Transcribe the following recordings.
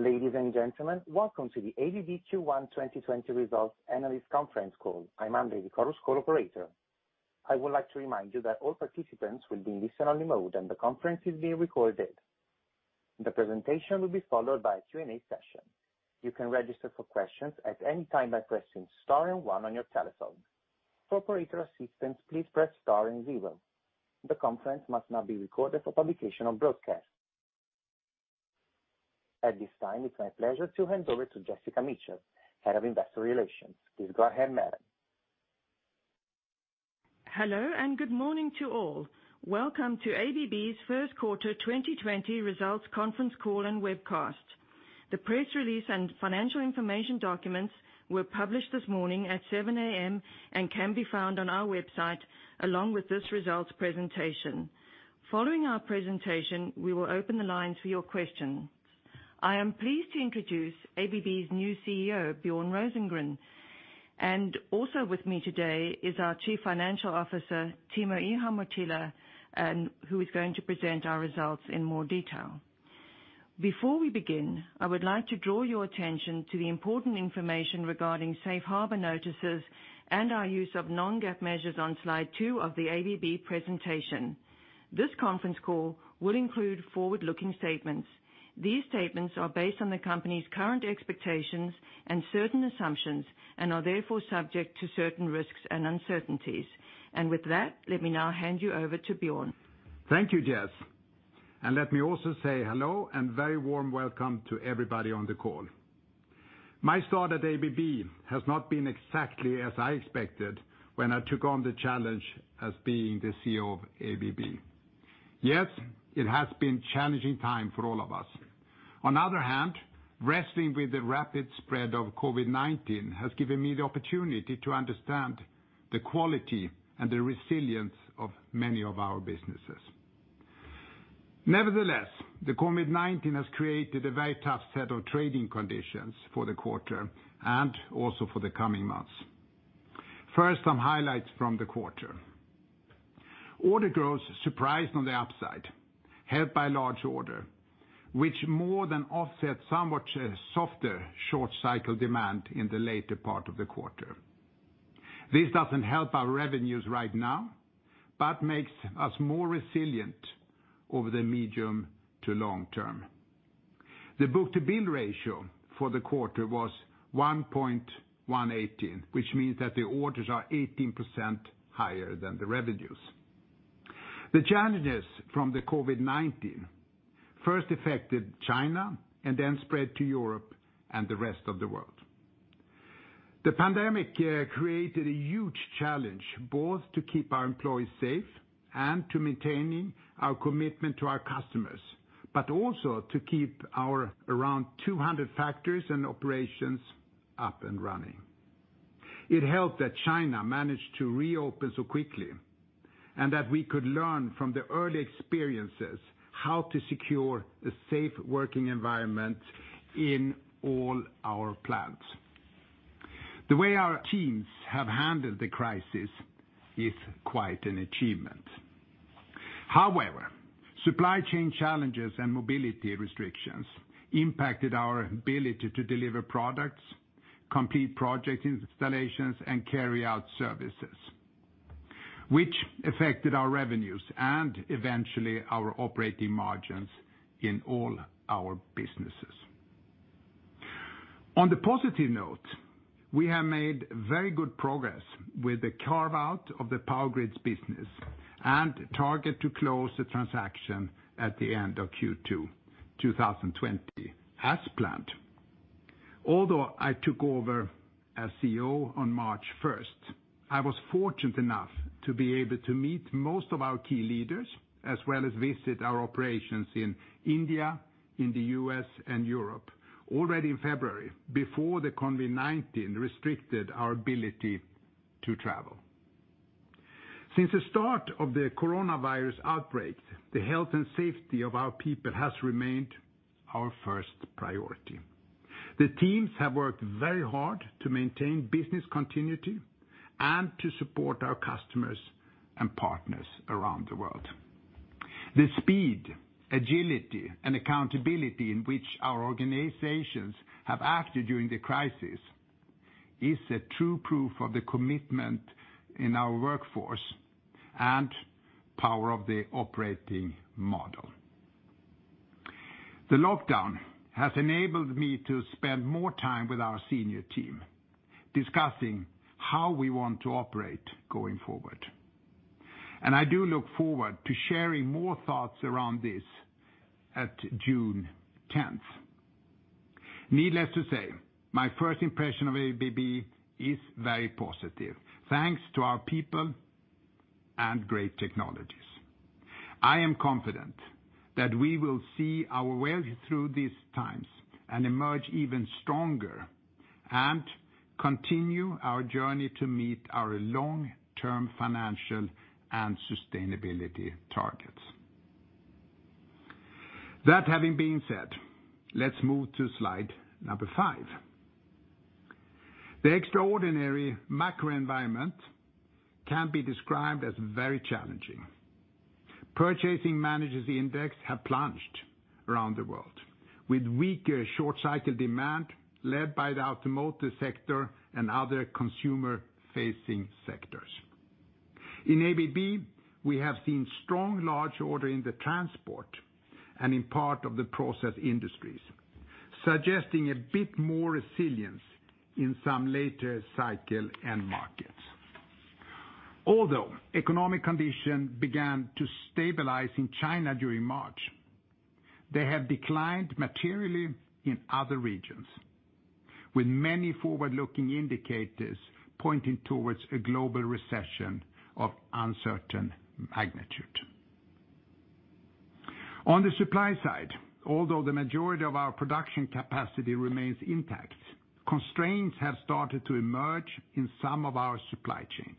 Ladies and gentlemen, welcome to the ABB Q1 2020 Results Analyst Conference Call. I'm Andre, the Chorus Call operator. I would like to remind you that all participants will be in listen-only mode, and the conference is being recorded. The presentation will be followed by a Q&A session. You can register for questions at any time by pressing star and one on your telephone. For operator assistance, please press star and zero. The conference must not be recorded for publication or broadcast. At this time, it's my pleasure to hand over to Jessica Mitchell, Head of Investor Relations. Please go ahead, madam. Hello, good morning to all. Welcome to ABB's first quarter 2020 results conference call and webcast. The press release and financial information documents were published this morning at 7:00 A.M. and can be found on our website along with this results presentation. Following our presentation, we will open the lines for your questions. I am pleased to introduce ABB's new CEO, Björn Rosengren, and also with me today is our Chief Financial Officer, Timo Ihamuotila, who is going to present our results in more detail. Before we begin, I would like to draw your attention to the important information regarding safe harbor notices and our use of non-GAAP measures on slide two of the ABB presentation. This conference call will include forward-looking statements. These statements are based on the company's current expectations and certain assumptions and are therefore subject to certain risks and uncertainties. With that, let me now hand you over to Björn. Thank you, Jess. Let me also say hello and very warm welcome to everybody on the call. My start at ABB has not been exactly as I expected when I took on the challenge as being the CEO of ABB. Yes, it has been challenging time for all of us. On other hand, wrestling with the rapid spread of COVID-19 has given me the opportunity to understand the quality and the resilience of many of our businesses. Nevertheless, the COVID-19 has created a very tough set of trading conditions for the quarter and also for the coming months. First, some highlights from the quarter. Order growth surprised on the upside, helped by large order, which more than offset somewhat a softer short-cycle demand in the later part of the quarter. This doesn't help our revenues right now, but makes us more resilient over the medium to long term. The book-to-bill ratio for the quarter was 1.18, which means that the orders are 18% higher than the revenues. The challenges from the COVID-19 first affected China and then spread to Europe and the rest of the world. The pandemic created a huge challenge, both to keep our employees safe and to maintaining our commitment to our customers, but also to keep our around 200 factories and operations up and running. It helped that China managed to reopen so quickly and that we could learn from the early experiences how to secure a safe working environment in all our plants. The way our teams have handled the crisis is quite an achievement. However, supply chain challenges and mobility restrictions impacted our ability to deliver products, complete project installations, and carry out services, which affected our revenues and eventually our operating margins in all our businesses. On the positive note, we have made very good progress with the carve-out of the Power Grids business and target to close the transaction at the end of Q2 2020 as planned. Although I took over as CEO on March 1st, I was fortunate enough to be able to meet most of our key leaders, as well as visit our operations in India, in the U.S., and Europe already in February, before the COVID-19 restricted our ability to travel. Since the start of the coronavirus outbreak, the health and safety of our people has remained our first priority. The teams have worked very hard to maintain business continuity and to support our customers and partners around the world. The speed, agility, and accountability in which our organizations have acted during the crisis is a true proof of the commitment in our workforce and power of the operating model. The lockdown has enabled me to spend more time with our senior team discussing how we want to operate going forward. I do look forward to sharing more thoughts around this at June 10th. Needless to say, my first impression of ABB is very positive, thanks to our people and great technologies. I am confident that we will see our way through these times and emerge even stronger and continue our journey to meet our long-term financial and sustainability targets. That having been said, let's move to slide number five. The extraordinary macro environment can be described as very challenging. Purchasing Managers' Index have plunged around the world, with weaker short-cycle demand led by the automotive sector and other consumer-facing sectors. In ABB, we have seen strong large order in the transport and in part of the process industries, suggesting a bit more resilience in some later cycle end markets. Although economic condition began to stabilize in China during March, they have declined materially in other regions, with many forward-looking indicators pointing towards a global recession of uncertain magnitude. On the supply side, although the majority of our production capacity remains intact, constraints have started to emerge in some of our supply chains.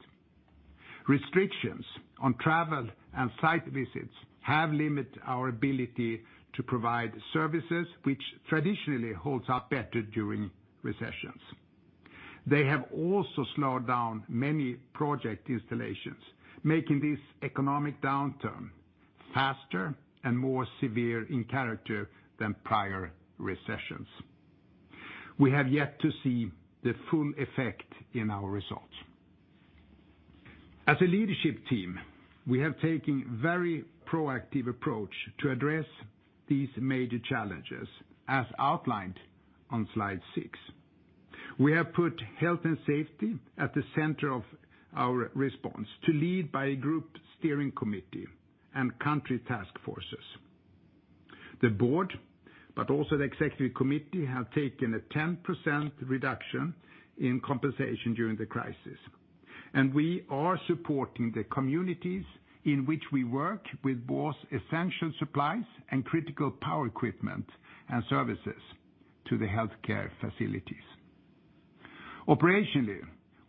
Restrictions on travel and site visits have limited our ability to provide services, which traditionally holds up better during recessions. They have also slowed down many project installations, making this economic downturn faster and more severe in character than prior recessions. We have yet to see the full effect in our results. As a leadership team, we have taken very proactive approach to address these major challenges, as outlined on slide six. We have put health and safety at the center of our response to lead by a group steering committee and country task forces. The board, but also the executive committee, have taken a 10% reduction in compensation during the crisis, and we are supporting the communities in which we work with both essential supplies and critical power equipment and services to the healthcare facilities. Operationally,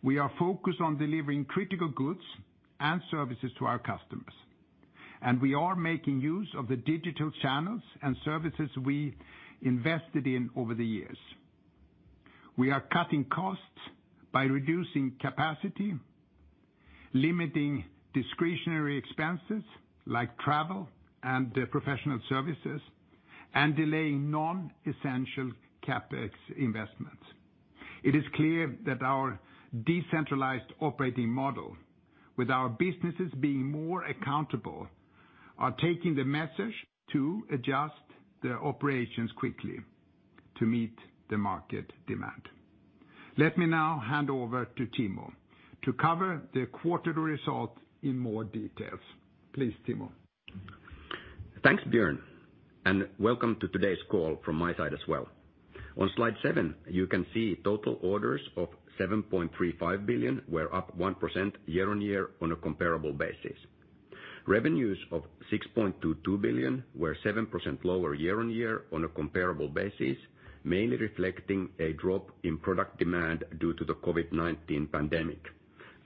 we are focused on delivering critical goods and services to our customers, and we are making use of the digital channels and services we invested in over the years. We are cutting costs by reducing capacity, limiting discretionary expenses like travel and professional services, and delaying non-essential CapEx investments. It is clear that our decentralized operating model, with our businesses being more accountable, are taking the message to adjust the operations quickly to meet the market demand. Let me now hand over to Timo to cover the quarterly result in more details. Please, Timo. Thanks, Björn, and welcome to today's call from my side as well. On slide seven, you can see total orders of $7.35 billion were up 1% year-on-year on a comparable basis. Revenues of $6.22 billion were 7% lower year-on-year on a comparable basis, mainly reflecting a drop in product demand due to the COVID-19 pandemic,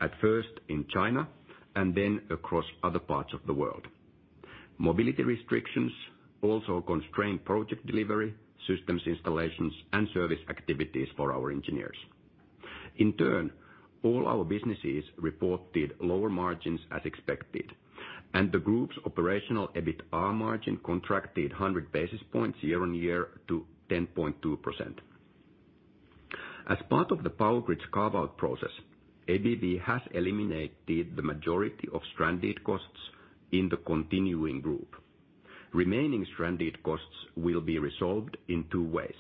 at first in China and then across other parts of the world. Mobility restrictions also constrained project delivery, systems installations, and service activities for our engineers. In turn, all our businesses reported lower margins as expected, and the group's operational EBITA margin contracted 100 basis points year-on-year to 10.2%. As part of the Power Grids carve-out process, ABB has eliminated the majority of stranded costs in the continuing group. Remaining stranded costs will be resolved in two ways.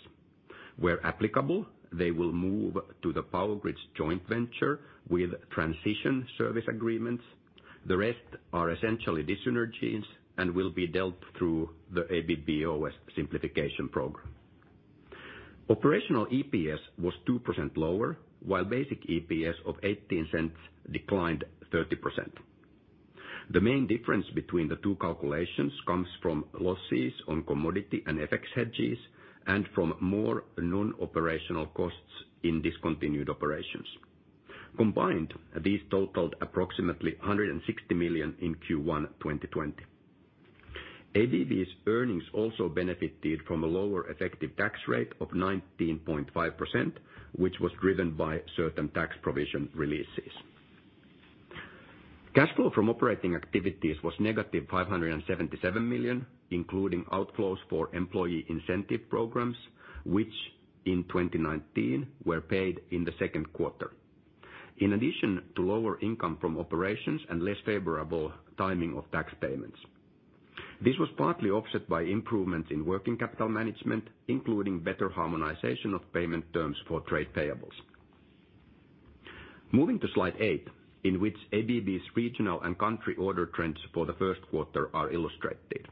Where applicable, they will move to the Power Grids joint venture with transition service agreements. The rest are essentially dyssynnergies and will be dealt through the ABB OS simplification program. Operational EPS was 2% lower, while basic EPS of $0.18 declined 30%. The main difference between the two calculations comes from losses on commodity and FX hedges and from more non-operational costs in discontinued operations. Combined, these totaled approximately $160 million in Q1 2020. ABB's earnings also benefited from a lower effective tax rate of 19.5%, which was driven by certain tax provision releases. Cash flow from operating activities was -$577 million, including outflows for employee incentive programs, which in 2019 were paid in the second quarter, in addition to lower income from operations and less favorable timing of tax payments. This was partly offset by improvements in working capital management, including better harmonization of payment terms for trade payables. Moving to slide eight, in which ABB's regional and country order trends for the first quarter are illustrated.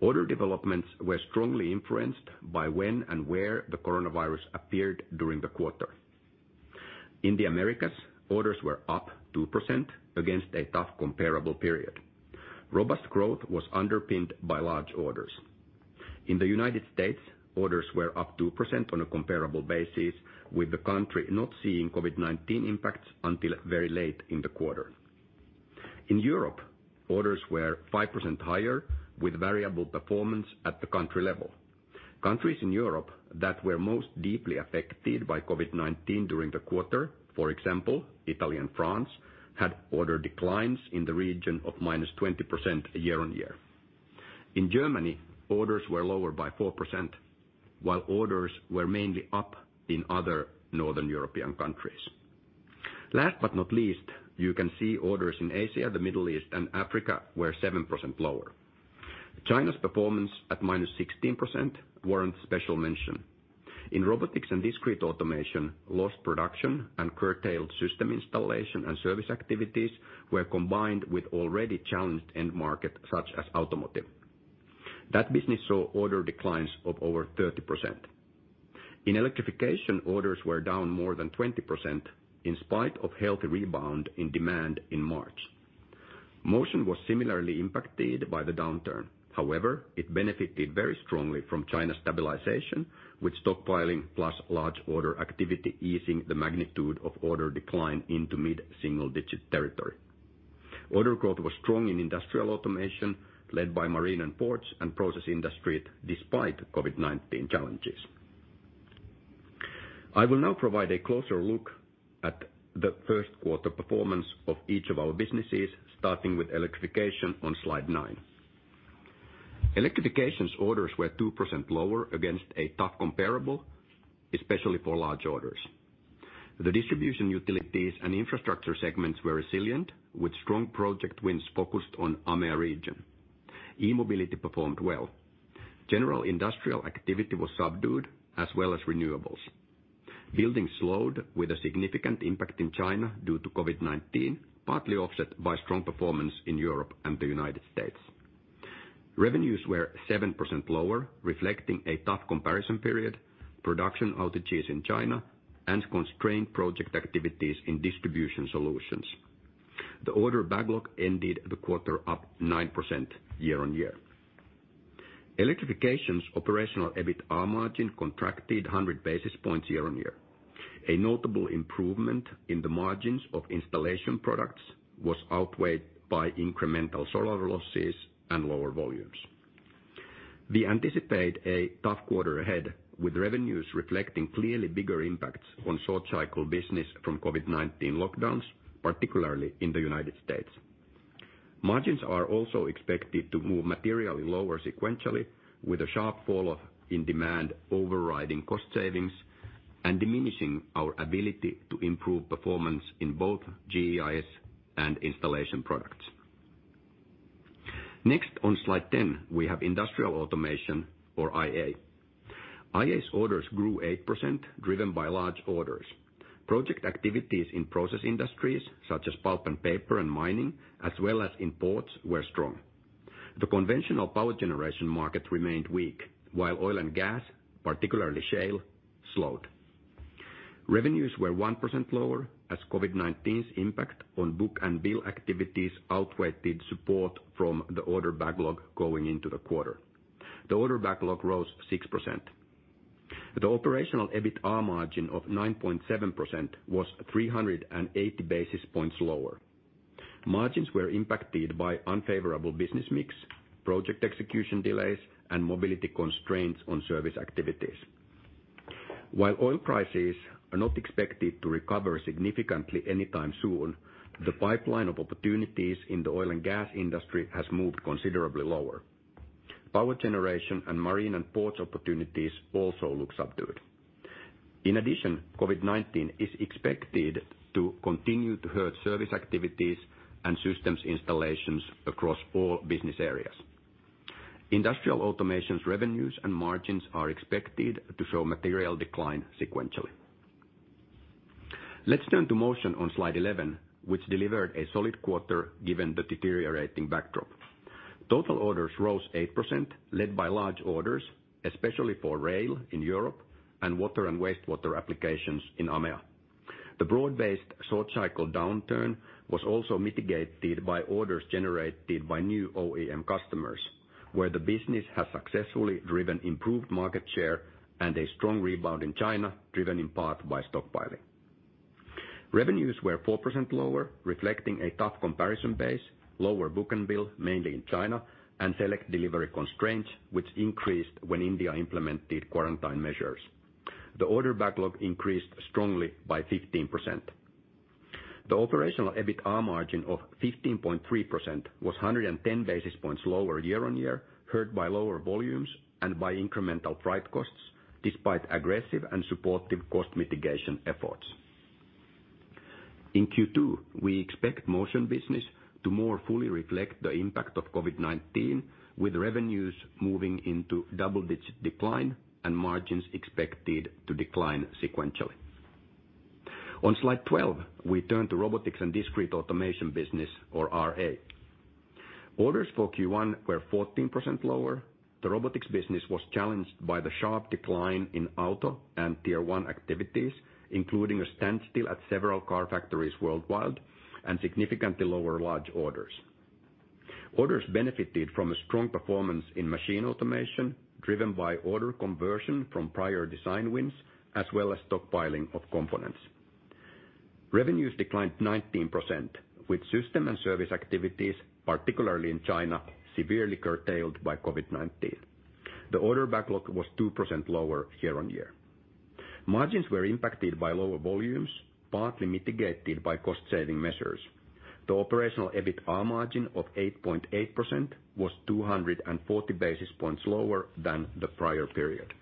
Order developments were strongly influenced by when and where the coronavirus appeared during the quarter. In the Americas, orders were up 2% against a tough comparable period. Robust growth was underpinned by large orders. In the United States, orders were up 2% on a comparable basis, with the country not seeing COVID-19 impacts until very late in the quarter. In Europe, orders were 5% higher with variable performance at the country level. Countries in Europe that were most deeply affected by COVID-19 during the quarter, for example, Italy and France, had order declines in the region of -20% year-on-year. In Germany, orders were lower by 4%, while orders were mainly up in other Northern European countries. Last but not least, you can see orders in Asia, the Middle East, and Africa were 7% lower. China's performance at minus 16% warrant special mention. In Robotics and Discrete Automation, lost production and curtailed system installation and service activities were combined with already challenged end market such as automotive. That business saw order declines of over 30%. In Electrification, orders were down more than 20% in spite of healthy rebound in demand in March. Motion was similarly impacted by the downturn. However, it benefited very strongly from China's stabilization, with stockpiling plus large order activity easing the magnitude of order decline into mid-single digit territory. Order growth was strong in Industrial Automation, led by marine and ports and process industries despite COVID-19 challenges. I will now provide a closer look at the first quarter performance of each of our businesses, starting with electrification on slide nine. Electrification's orders were 2% lower against a tough comparable, especially for large orders. The distribution utilities and infrastructure segments were resilient, with strong project wins focused on AMEA region. E-mobility performed well. General industrial activity was subdued, as well as renewables. Building slowed with a significant impact in China due to COVID-19, partly offset by strong performance in Europe and the United States. Revenues were 7% lower, reflecting a tough comparison period, production outages in China, and constrained project activities in distribution solutions. The order backlog ended the quarter up 9% year-on-year. Electrification's operational EBITA margin contracted 100 basis points year-on-year. A notable improvement in the margins of installation products was outweighed by incremental solar losses and lower volumes. We anticipate a tough quarter ahead, with revenues reflecting clearly bigger impacts on short cycle business from COVID-19 lockdowns, particularly in the United States. Margins are also expected to move materially lower sequentially, with a sharp fall-off in demand overriding cost savings and diminishing our ability to improve performance in both GEIS and installation products. Next on slide 10, we have industrial automation or IA. IA's orders grew 8%, driven by large orders. Project activities in process industries such as pulp and paper and mining, as well as in ports, were strong. The conventional power generation market remained weak, while oil and gas, particularly shale, slowed. Revenues were 1% lower as COVID-19's impact on book and bill activities outweighed the support from the order backlog going into the quarter. The order backlog rose 6%. The operational EBITA margin of 9.7% was 380 basis points lower. Margins were impacted by unfavorable business mix, project execution delays, and mobility constraints on service activities. While oil prices are not expected to recover significantly anytime soon, the pipeline of opportunities in the oil and gas industry has moved considerably lower. Power generation and marine and ports opportunities also look subdued. In addition, COVID-19 is expected to continue to hurt service activities and systems installations across all business areas. Industrial Automation's revenues and margins are expected to show material decline sequentially. Let's turn to Motion on slide 11, which delivered a solid quarter given the deteriorating backdrop. Total orders rose 8%, led by large orders, especially for rail in Europe and water and wastewater applications in AMEA. The broad-based short cycle downturn was also mitigated by orders generated by new OEM customers, where the business has successfully driven improved market share and a strong rebound in China, driven in part by stockpiling. Revenues were 4% lower, reflecting a tough comparison base, lower book-to-bill, mainly in China, and select delivery constraints, which increased when India implemented quarantine measures. The order backlog increased strongly by 15%. The operational EBITA margin of 15.3% was 110 basis points lower year-on-year, hurt by lower volumes and by incremental freight costs, despite aggressive and supportive cost mitigation efforts. In Q2, we expect motion business to more fully reflect the impact of COVID-19, with revenues moving into double-digit decline and margins expected to decline sequentially. On slide 12, we turn to robotics and discrete automation business or RA. Orders for Q1 were 14% lower. The robotics business was challenged by the sharp decline in auto and tier one activities, including a standstill at several car factories worldwide and significantly lower large orders. Orders benefited from a strong performance in machine automation driven by order conversion from prior design wins, as well as stockpiling of components. Revenues declined 19%, with system and service activities, particularly in China, severely curtailed by COVID-19. The order backlog was 2% lower year-on-year. Margins were impacted by lower volumes, partly mitigated by cost-saving measures. The operational EBITA margin of 8.8% was 240 basis points lower than the prior period.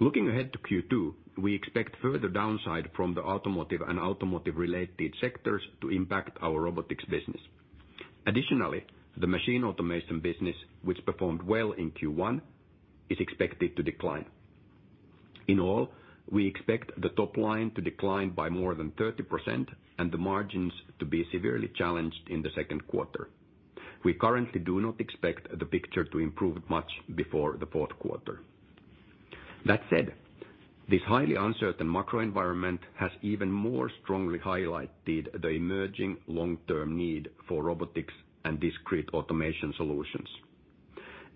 Looking ahead to Q2, we expect further downside from the automotive and automotive-related sectors to impact our robotics business. The machine automation business, which performed well in Q1, is expected to decline. In all, we expect the top line to decline by more than 30% and the margins to be severely challenged in the second quarter. We currently do not expect the picture to improve much before the fourth quarter. This highly uncertain macro environment has even more strongly highlighted the emerging long-term need for robotics and discrete automation solutions.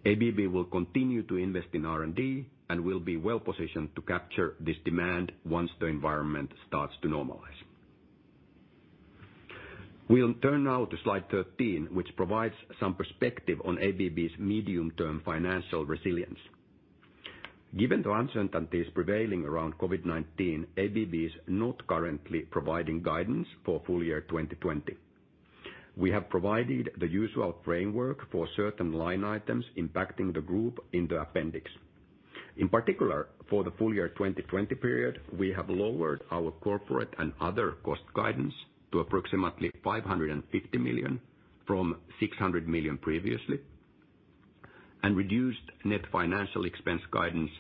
ABB will continue to invest in R&D and will be well-positioned to capture this demand once the environment starts to normalize. We'll turn now to slide 13, which provides some perspective on ABB's medium-term financial resilience. Given the uncertainties prevailing around COVID-19, ABB is not currently providing guidance for full year 2020. We have provided the usual framework for certain line items impacting the group in the appendix. In particular, for the full year 2020 period, we have lowered our corporate and other cost guidance to approximately $550 million from $600 million previously, and reduced net financial expense guidance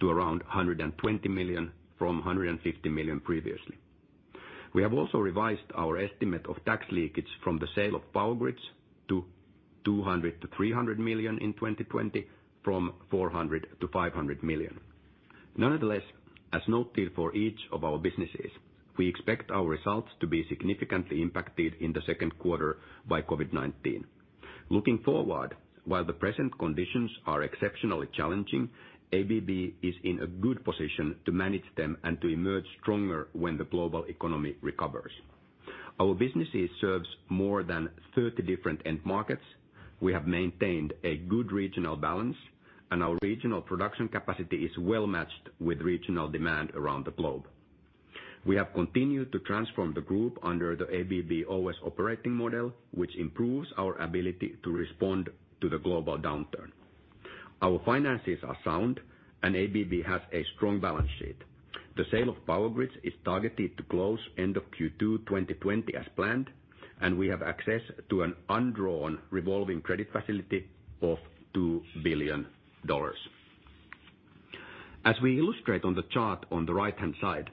to around $120 million from $150 million previously. We have also revised our estimate of tax leakage from the sale of Power Grids to $200 million-$300 million in 2020 from $400 million-$500 million. As noted for each of our businesses, we expect our results to be significantly impacted in the second quarter by COVID-19. Looking forward, while the present conditions are exceptionally challenging, ABB is in a good position to manage them and to emerge stronger when the global economy recovers. Our businesses serves more than 30 different end markets. We have maintained a good regional balance, and our regional production capacity is well matched with regional demand around the globe. We have continued to transform the group under the ABB OS operating model, which improves our ability to respond to the global downturn. Our finances are sound, and ABB has a strong balance sheet. The sale of Power Grids is targeted to close end of Q2 2020 as planned, and we have access to an undrawn revolving credit facility of $2 billion. As we illustrate on the chart on the right-hand side,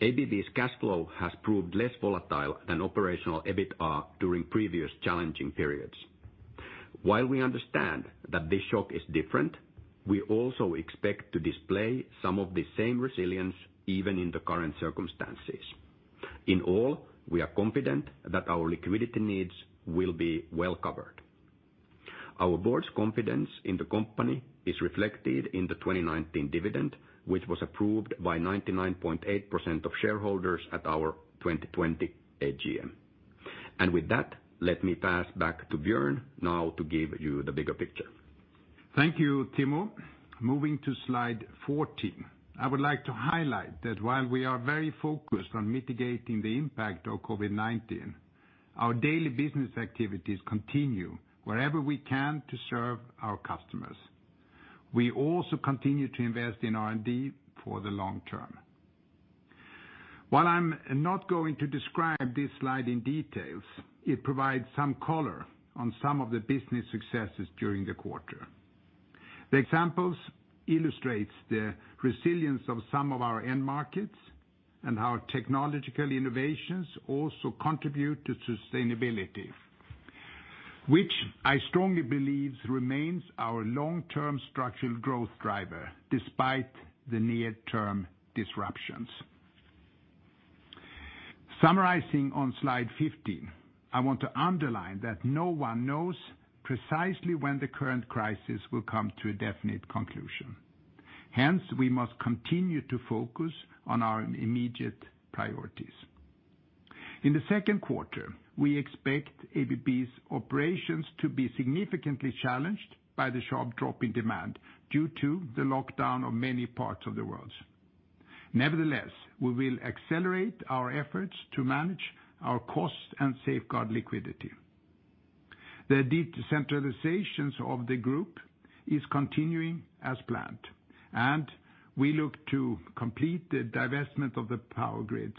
ABB's cash flow has proved less volatile than operational EBITA during previous challenging periods. While we understand that this shock is different, we also expect to display some of the same resilience even in the current circumstances. In all, we are confident that our liquidity needs will be well covered. Our board's confidence in the company is reflected in the 2019 dividend, which was approved by 99.8% of shareholders at our 2020 AGM. With that, let me pass back to Björn now to give you the bigger picture. Thank you, Timo. Moving to slide 14. I would like to highlight that while we are very focused on mitigating the impact of COVID-19, our daily business activities continue wherever we can to serve our customers. We also continue to invest in R&D for the long term. While I'm not going to describe this slide in details, it provides some color on some of the business successes during the quarter. The examples illustrates the resilience of some of our end markets and how technological innovations also contribute to sustainability, which I strongly believe remains our long-term structural growth driver despite the near-term disruptions. Summarizing on slide 15, I want to underline that no one knows precisely when the current crisis will come to a definite conclusion. Hence, we must continue to focus on our immediate priorities. In the second quarter, we expect ABB's operations to be significantly challenged by the sharp drop in demand due to the lockdown of many parts of the world. We will accelerate our efforts to manage our cost and safeguard liquidity. The decentralizations of the group is continuing as planned, and we look to complete the divestment of the Power Grids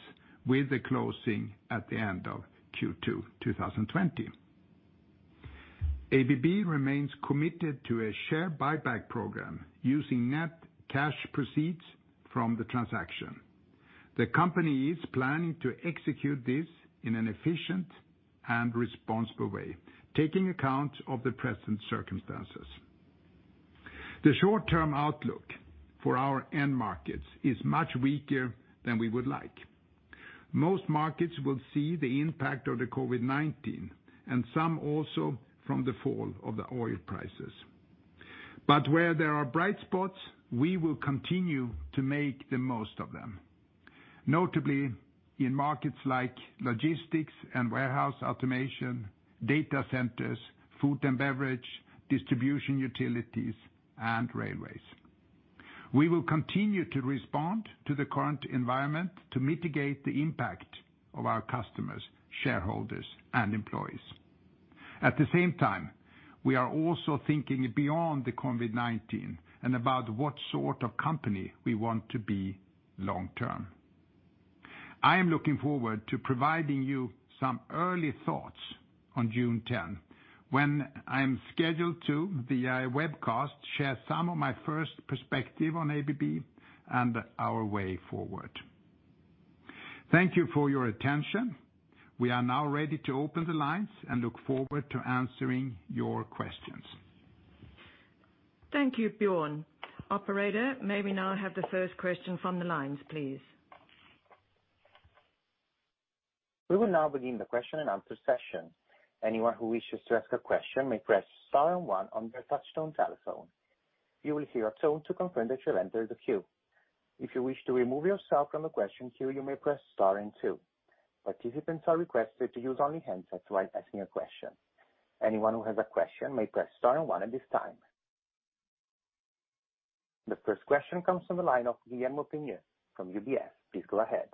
with the closing at the end of Q2 2020. ABB remains committed to a share buyback program using net cash proceeds from the transaction. The company is planning to execute this in an efficient and responsible way, taking account of the present circumstances. The short-term outlook for our end markets is much weaker than we would like. Most markets will see the impact of the COVID-19, and some also from the fall of the oil prices. Where there are bright spots, we will continue to make the most of them, notably in markets like logistics and warehouse automation, data centers, food and beverage, distribution utilities, and railways. We will continue to respond to the current environment to mitigate the impact of our customers, shareholders, and employees. At the same time, we are also thinking beyond the COVID-19 and about what sort of company we want to be long-term. I am looking forward to providing you some early thoughts on June 10, when I am scheduled to, via webcast, share some of my first perspective on ABB and our way forward. Thank you for your attention. We are now ready to open the lines and look forward to answering your questions. Thank you, Björn. Operator, may we now have the first question from the lines, please. We will now begin the question-and-answer session. Anyone who wishes to ask a question may press star and one on their touchtone telephone. You will hear a tone to confirm that you have entered the queue. If you wish to remove yourself from the question queue, you may press star and two. Participants are requested to use only handsets while asking a question. Anyone who has a question may press star and one at this time. The first question comes from the line of Guillermo Peigneux from UBS. Please go ahead.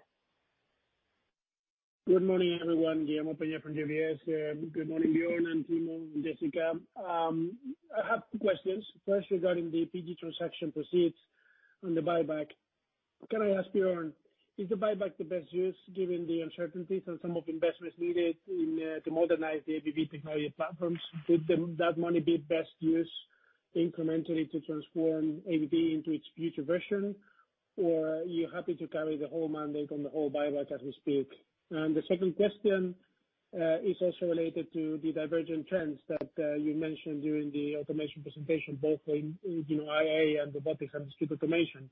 Good morning, everyone. Guillermo Peigneux from UBS. Good morning, Björn and Timo and Jessica. I have two questions. First, regarding the PG transaction proceeds on the buyback. Can I ask Björn, is the buyback the best use given the uncertainties and some of investments needed to modernize the ABB technology platforms? Would that money be best used incrementally to transform ABB into its future version? Are you happy to carry the whole mandate on the whole buyback as we speak? The second question is also related to the divergent trends that you mentioned during the automation presentation, both in IA and robotics and discrete automation.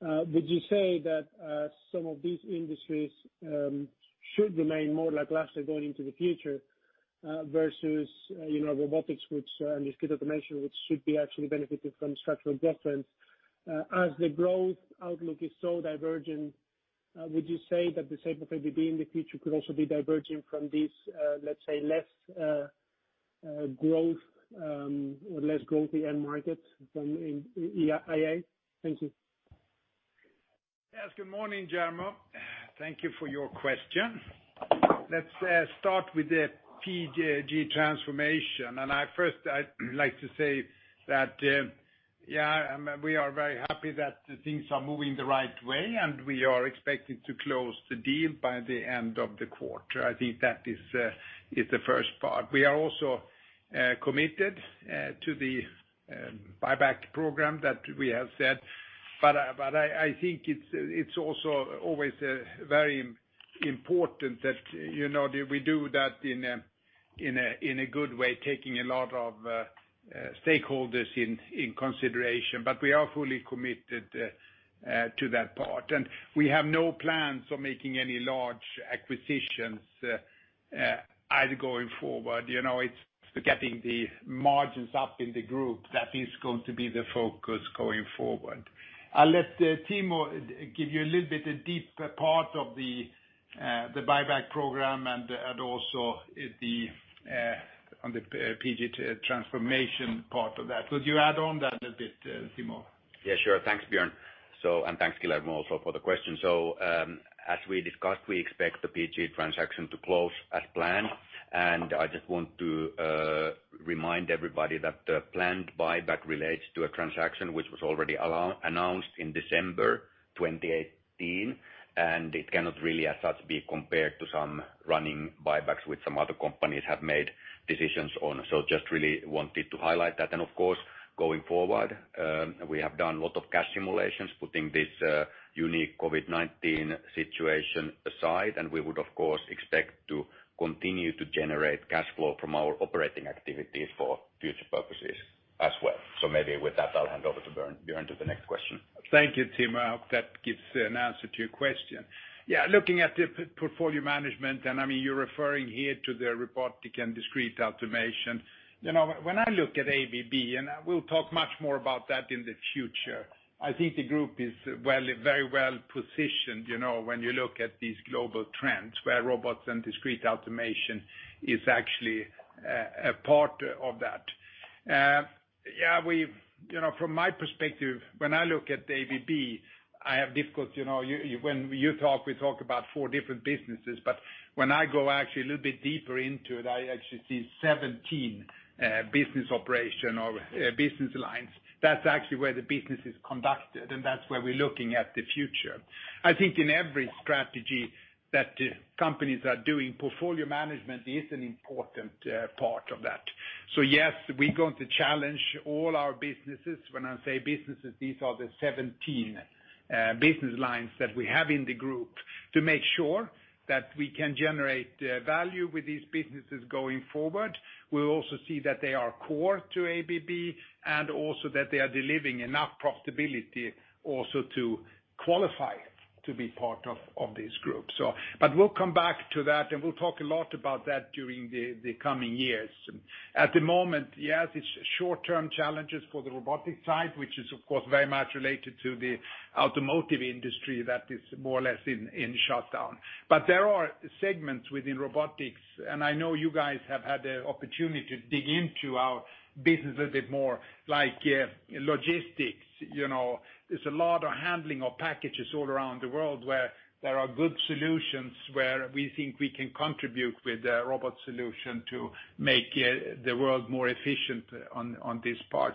Would you say that some of these industries should remain more lackluster going into the future versus robotics and discrete automation, which should be actually benefiting from structural growth trends? As the growth outlook is so divergent, would you say that the shape of ABB in the future could also be diverging from these, let's say, less growth or less growthy end markets than in IA? Thank you. Yes. Good morning, Guillermo. Thank you for your question. Let's start with the PG transformation. First I'd like to say that, yeah, we are very happy that things are moving the right way, and we are expecting to close the deal by the end of the quarter. I think that is the first part. We are also committed to the buyback program that we have said. I think it's also always very important that we do that in a good way, taking a lot of stakeholders in consideration. We are fully committed to that part. We have no plans for making any large acquisitions either going forward. It's getting the margins up in the group that is going to be the focus going forward. I'll let Timo give you a little bit deeper part of the buyback program and also on the PG transformation part of that. Could you add on that a bit, Timo? Yeah, sure. Thanks, Björn. Thanks, Guillermo, also for the question. As we discussed, we expect the PG transaction to close as planned. I just want to remind everybody that the planned buyback relates to a transaction which was already announced in December 2018, and it cannot really, as such, be compared to some running buybacks which some other companies have made decisions on. Just really wanted to highlight that. Of course, going forward, we have done a lot of cash simulations, putting this unique COVID-19 situation aside, and we would, of course, expect to continue to generate cash flow from our operating activities for future purposes as well. Maybe with that, I'll hand over to Björn, to the next question. Thank you, Timo. I hope that gives an answer to your question. Looking at the portfolio management, you're referring here to the Robotics and Discrete Automation. When I look at ABB, and we'll talk much more about that in the future, I think the group is very well-positioned when you look at these global trends, where robots and discrete automation is actually a part of that. From my perspective, when I look at ABB, when you talk, we talk about four different businesses, but when I go actually a little bit deeper into it, I actually see 17 business operation or business lines. That's actually where the business is conducted, and that's where we're looking at the future. I think in every strategy that companies are doing, portfolio management is an important part of that. Yes, we're going to challenge all our businesses. When I say businesses, these are the 17 business lines that we have in the group to make sure that we can generate value with these businesses going forward. We'll also see that they are core to ABB and also that they are delivering enough profitability also to qualify. To be part of this group. We'll come back to that, and we'll talk a lot about that during the coming years. At the moment, yes, it's short-term challenges for the Robotics side, which is of course very much related to the automotive industry that is more or less in shutdown. There are segments within Robotics, and I know you guys have had the opportunity to dig into our business a bit more, like logistics. There's a lot of handling of packages all around the world where there are good solutions where we think we can contribute with a robot solution to make the world more efficient on this part.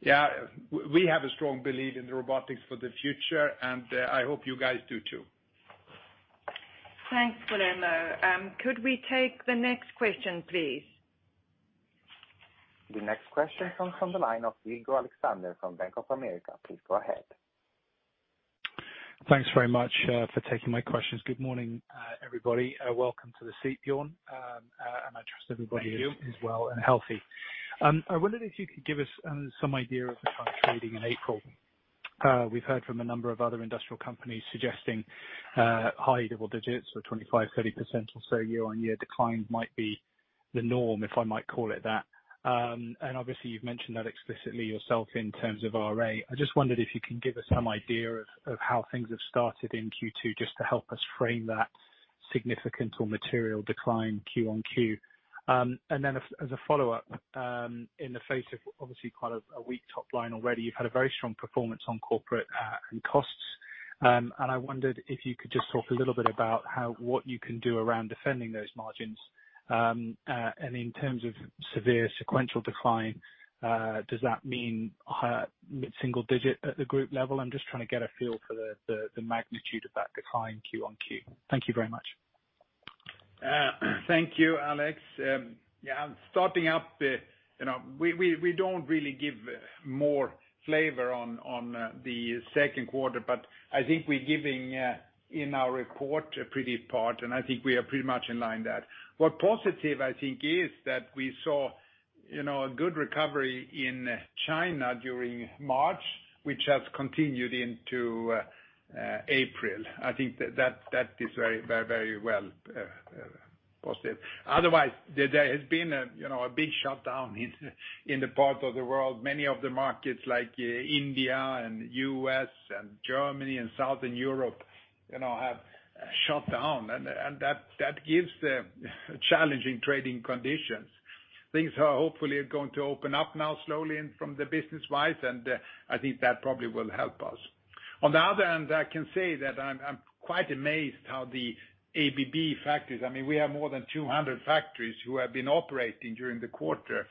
Yeah, we have a strong belief in the robotics for the future, and I hope you guys do too. Thanks, Guillermo. Could we take the next question, please? The next question comes from the line of Alexander Virgo from Bank of America. Please go ahead. Thanks very much for taking my questions. Good morning, everybody. Welcome to the seat, Björn. Thank you. is well and healthy. I wondered if you could give us some idea of the trading in April. We've heard from a number of other industrial companies suggesting high double digits or 25%-30% or so year-on-year decline might be the norm, if I might call it that. Obviously, you've mentioned that explicitly yourself in terms of RA. I just wondered if you can give us some idea of how things have started in Q2 just to help us frame that significant or material decline Q-on-Q. Then as a follow-up, in the face of obviously quite a weak top line already, you've had a very strong performance on corporate and costs. I wondered if you could just talk a little bit about what you can do around defending those margins. In terms of severe sequential decline, does that mean mid-single digit at the group level? I'm just trying to get a feel for the magnitude of that decline Q-on-Q. Thank you very much. Thank you, Alex. Yeah, starting up, we don't really give more flavor on the second quarter, but I think we're giving in our report a pretty part, and I think we are pretty much in line there. What positive, I think, is that we saw a good recovery in China during March, which has continued into April. I think that is very well positive. Otherwise, there has been a big shutdown in the part of the world. Many of the markets like India and U.S. and Germany and Southern Europe have shut down. That gives challenging trading conditions. Things are hopefully going to open up now slowly from the business-wise. I think that probably will help us. On the other hand, I can say that I'm quite amazed how the ABB factories, I mean, we have more than 200 factories who have been operating during the quarter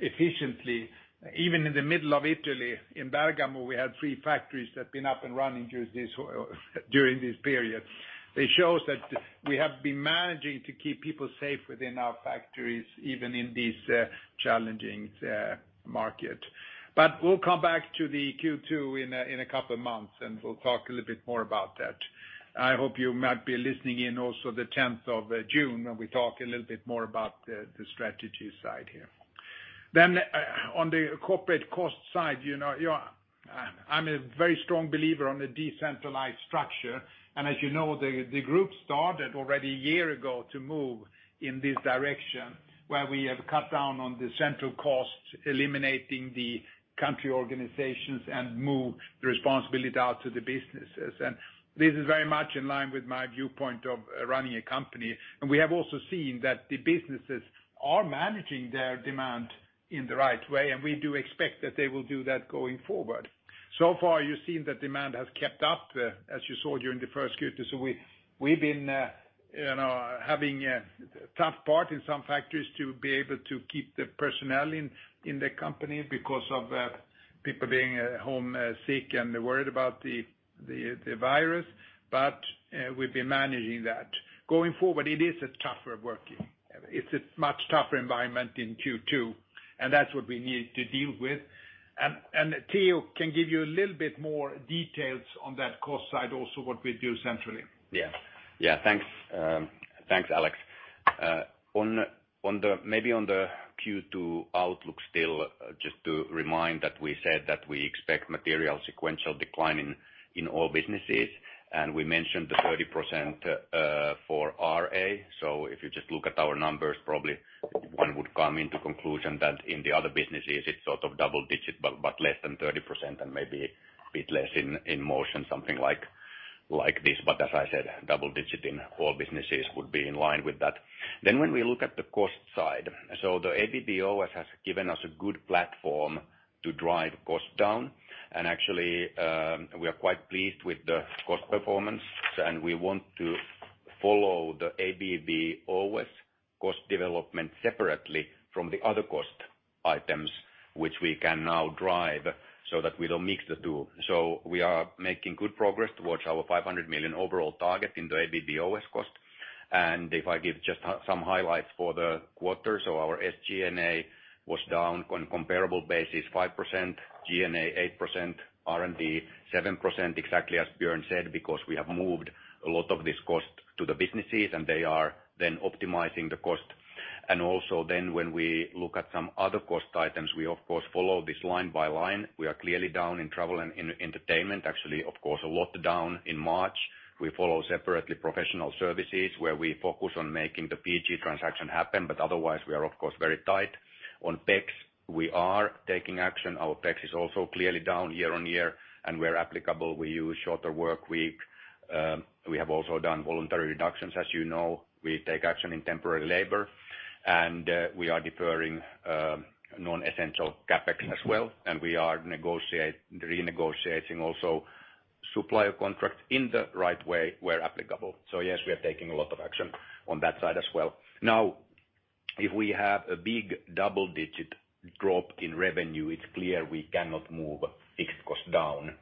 efficiently. Even in the middle of Italy, in Bergamo, we have three factories that have been up and running during this period. It shows that we have been managing to keep people safe within our factories, even in this challenging market. We'll come back to the Q2 in a couple of months, and we'll talk a little bit more about that. I hope you might be listening in also the 10th of June when we talk a little bit more about the strategy side here. On the corporate cost side, I'm a very strong believer on a decentralized structure. As you know, the group started already a year ago to move in this direction, where we have cut down on the central cost, eliminating the country organizations and move the responsibility out to the businesses. This is very much in line with my viewpoint of running a company. We have also seen that the businesses are managing their demand in the right way, and we do expect that they will do that going forward. Far, you've seen that demand has kept up, as you saw during the first Q2. We've been having a tough part in some factories to be able to keep the personnel in the company because of people being at home sick and worried about the virus. We've been managing that. Going forward, it is a tougher working. It's a much tougher environment in Q2, and that's what we need to deal with. Timo can give you a little bit more details on that cost side, also what we do centrally. Thanks, Alex. Maybe on the Q2 outlook still, just to remind that we said that we expect material sequential decline in all businesses, and we mentioned the 30% for RA. If you just look at our numbers, probably one would come into conclusion that in the other businesses, it's sort of double-digit, but less than 30% and maybe a bit less in motion, something like this. As I said, double-digit in all businesses would be in line with that. When we look at the cost side, so the ABB OS has given us a good platform to drive costs down. Actually, we are quite pleased with the cost performance, and we want to follow the ABB OS cost development separately from the other cost items, which we can now drive so that we don't mix the two. We are making good progress towards our $500 million overall target in the ABB OS cost. If I give just some highlights for the quarter, our SG&A was down on comparable basis 5%, G&A 8%, R&D 7%, exactly as Björn said, because we have moved a lot of this cost to the businesses, and they are then optimizing the cost. Also, when we look at some other cost items, we of course follow this line by line. We are clearly down in travel and entertainment actually, of course, a lot down in March. We follow separately professional services where we focus on making the PG transaction happen, but otherwise we are of course very tight. On OPEX, we are taking action. Our OPEX is also clearly down year-on-year and where applicable, we use shorter workweek. We have also done voluntary reductions. As you know, we take action in temporary labor, and we are deferring non-essential CapEx as well. We are renegotiating also supplier contracts in the right way where applicable. Yes, we are taking a lot of action on that side as well. Now, if we have a big double-digit drop in revenue, it's clear we cannot move fixed cost down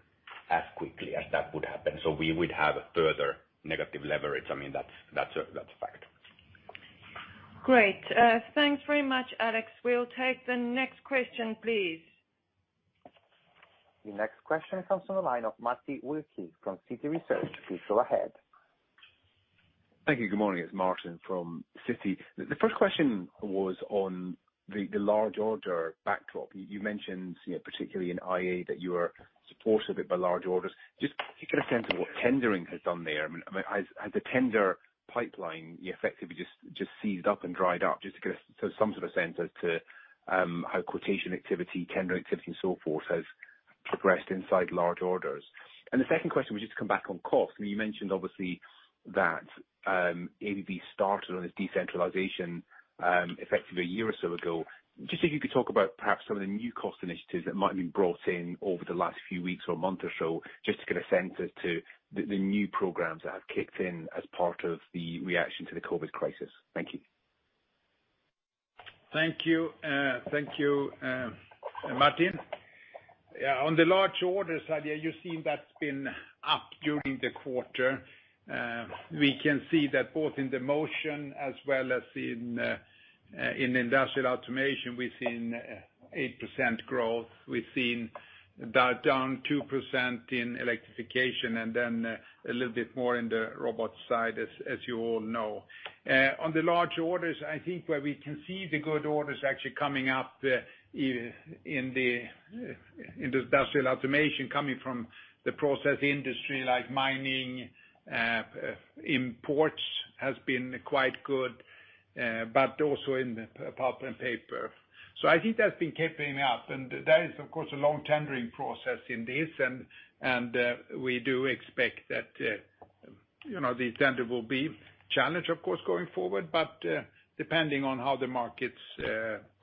as quickly as that would happen. We would have further negative leverage. That's a fact. Great. Thanks very much, Alex. We'll take the next question, please. The next question comes from the line of Martin Wilkie from Citi Research. Please go ahead. Thank you. Good morning. It's Martin from Citi. The first question was on the large order backdrop. You mentioned, particularly in IA, that you are supported a bit by large orders. Just to get a sense of what tendering has done there, has the tender pipeline effectively just seized up and dried up? Just to get some sort of sense as to how quotation activity, tendering activity and so forth has progressed inside large orders. The second question was just to come back on cost. You mentioned, obviously, that ABB started on its decentralization effectively a year or so ago. Just if you could talk about perhaps some of the new cost initiatives that might have been brought in over the last few weeks or month or so, just to get a sense as to the new programs that have kicked in as part of the reaction to the COVID crisis. Thank you. Thank you, Martin. The large orders, you've seen that's been up during the quarter. We can see that both in the motion as well as in Industrial Automation, we've seen 8% growth. We've seen that down 2% in Electrification, a little bit more in the robot side as you all know. The large orders, I think where we can see the good orders actually coming up in the Industrial Automation coming from the process industry, like mining, ports has been quite good, also in the pulp and paper. I think that's been keeping up, there is of course, a long tendering process in this, we do expect that the tender will be challenged, of course, going forward, depending on how the markets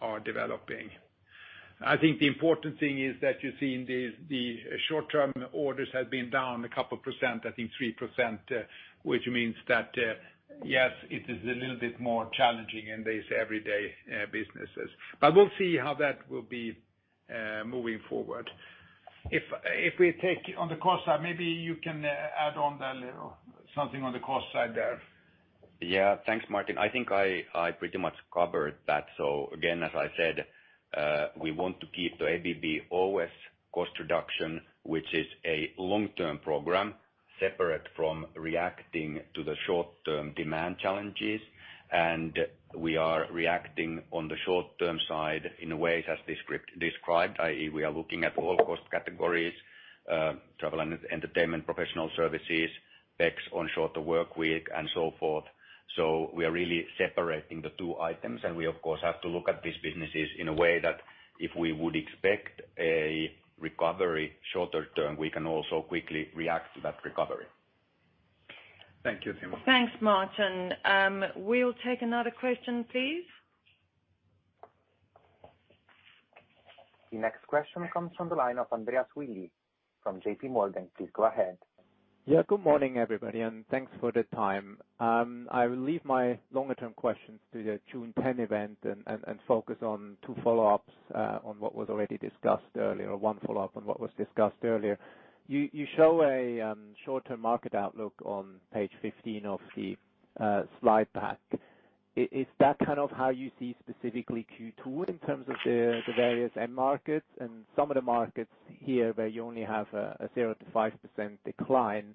are developing. I think the important thing is that you see the short-term orders have been down a couple of percent, I think 3%, which means that, yes, it is a little bit more challenging in these everyday businesses. We'll see how that will be moving forward. If we take on the cost side, maybe you can add on something on the cost side there. Thanks, Martin. I think I pretty much covered that. Again, as I said, we want to keep the ABB OS cost reduction, which is a long-term program, separate from reacting to the short-term demand challenges. We are reacting on the short-term side in ways as described, i.e., we are looking at all cost categories, travel and entertainment, professional services, OPEX on shorter work week and so forth. We are really separating the two items, and we of course, have to look at these businesses in a way that if we would expect a recovery shorter term, we can also quickly react to that recovery. Thank you, Timo. Thanks, Martin. We'll take another question, please. The next question comes from the line of Andreas Willi from JPMorgan. Please go ahead. Yeah. Good morning, everybody, and thanks for the time. I will leave my longer term questions to the June 10 event and focus on two follow-ups on what was already discussed earlier, or one follow-up on what was discussed earlier. You show a short-term market outlook on page 15 of the slide pack. Is that kind of how you see specifically Q2 in terms of the various end markets? Some of the markets here where you only have a 0%-5% decline,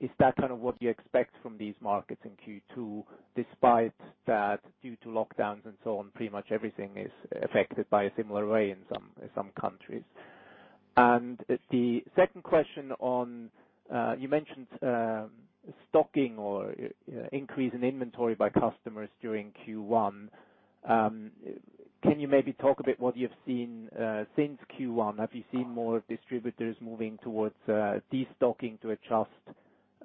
is that kind of what you expect from these markets in Q2, despite that due to lockdowns and so on, pretty much everything is affected by a similar way in some countries? The second question on, you mentioned stocking or increase in inventory by customers during Q1. Can you maybe talk a bit what you've seen since Q1? Have you seen more distributors moving towards de-stocking to adjust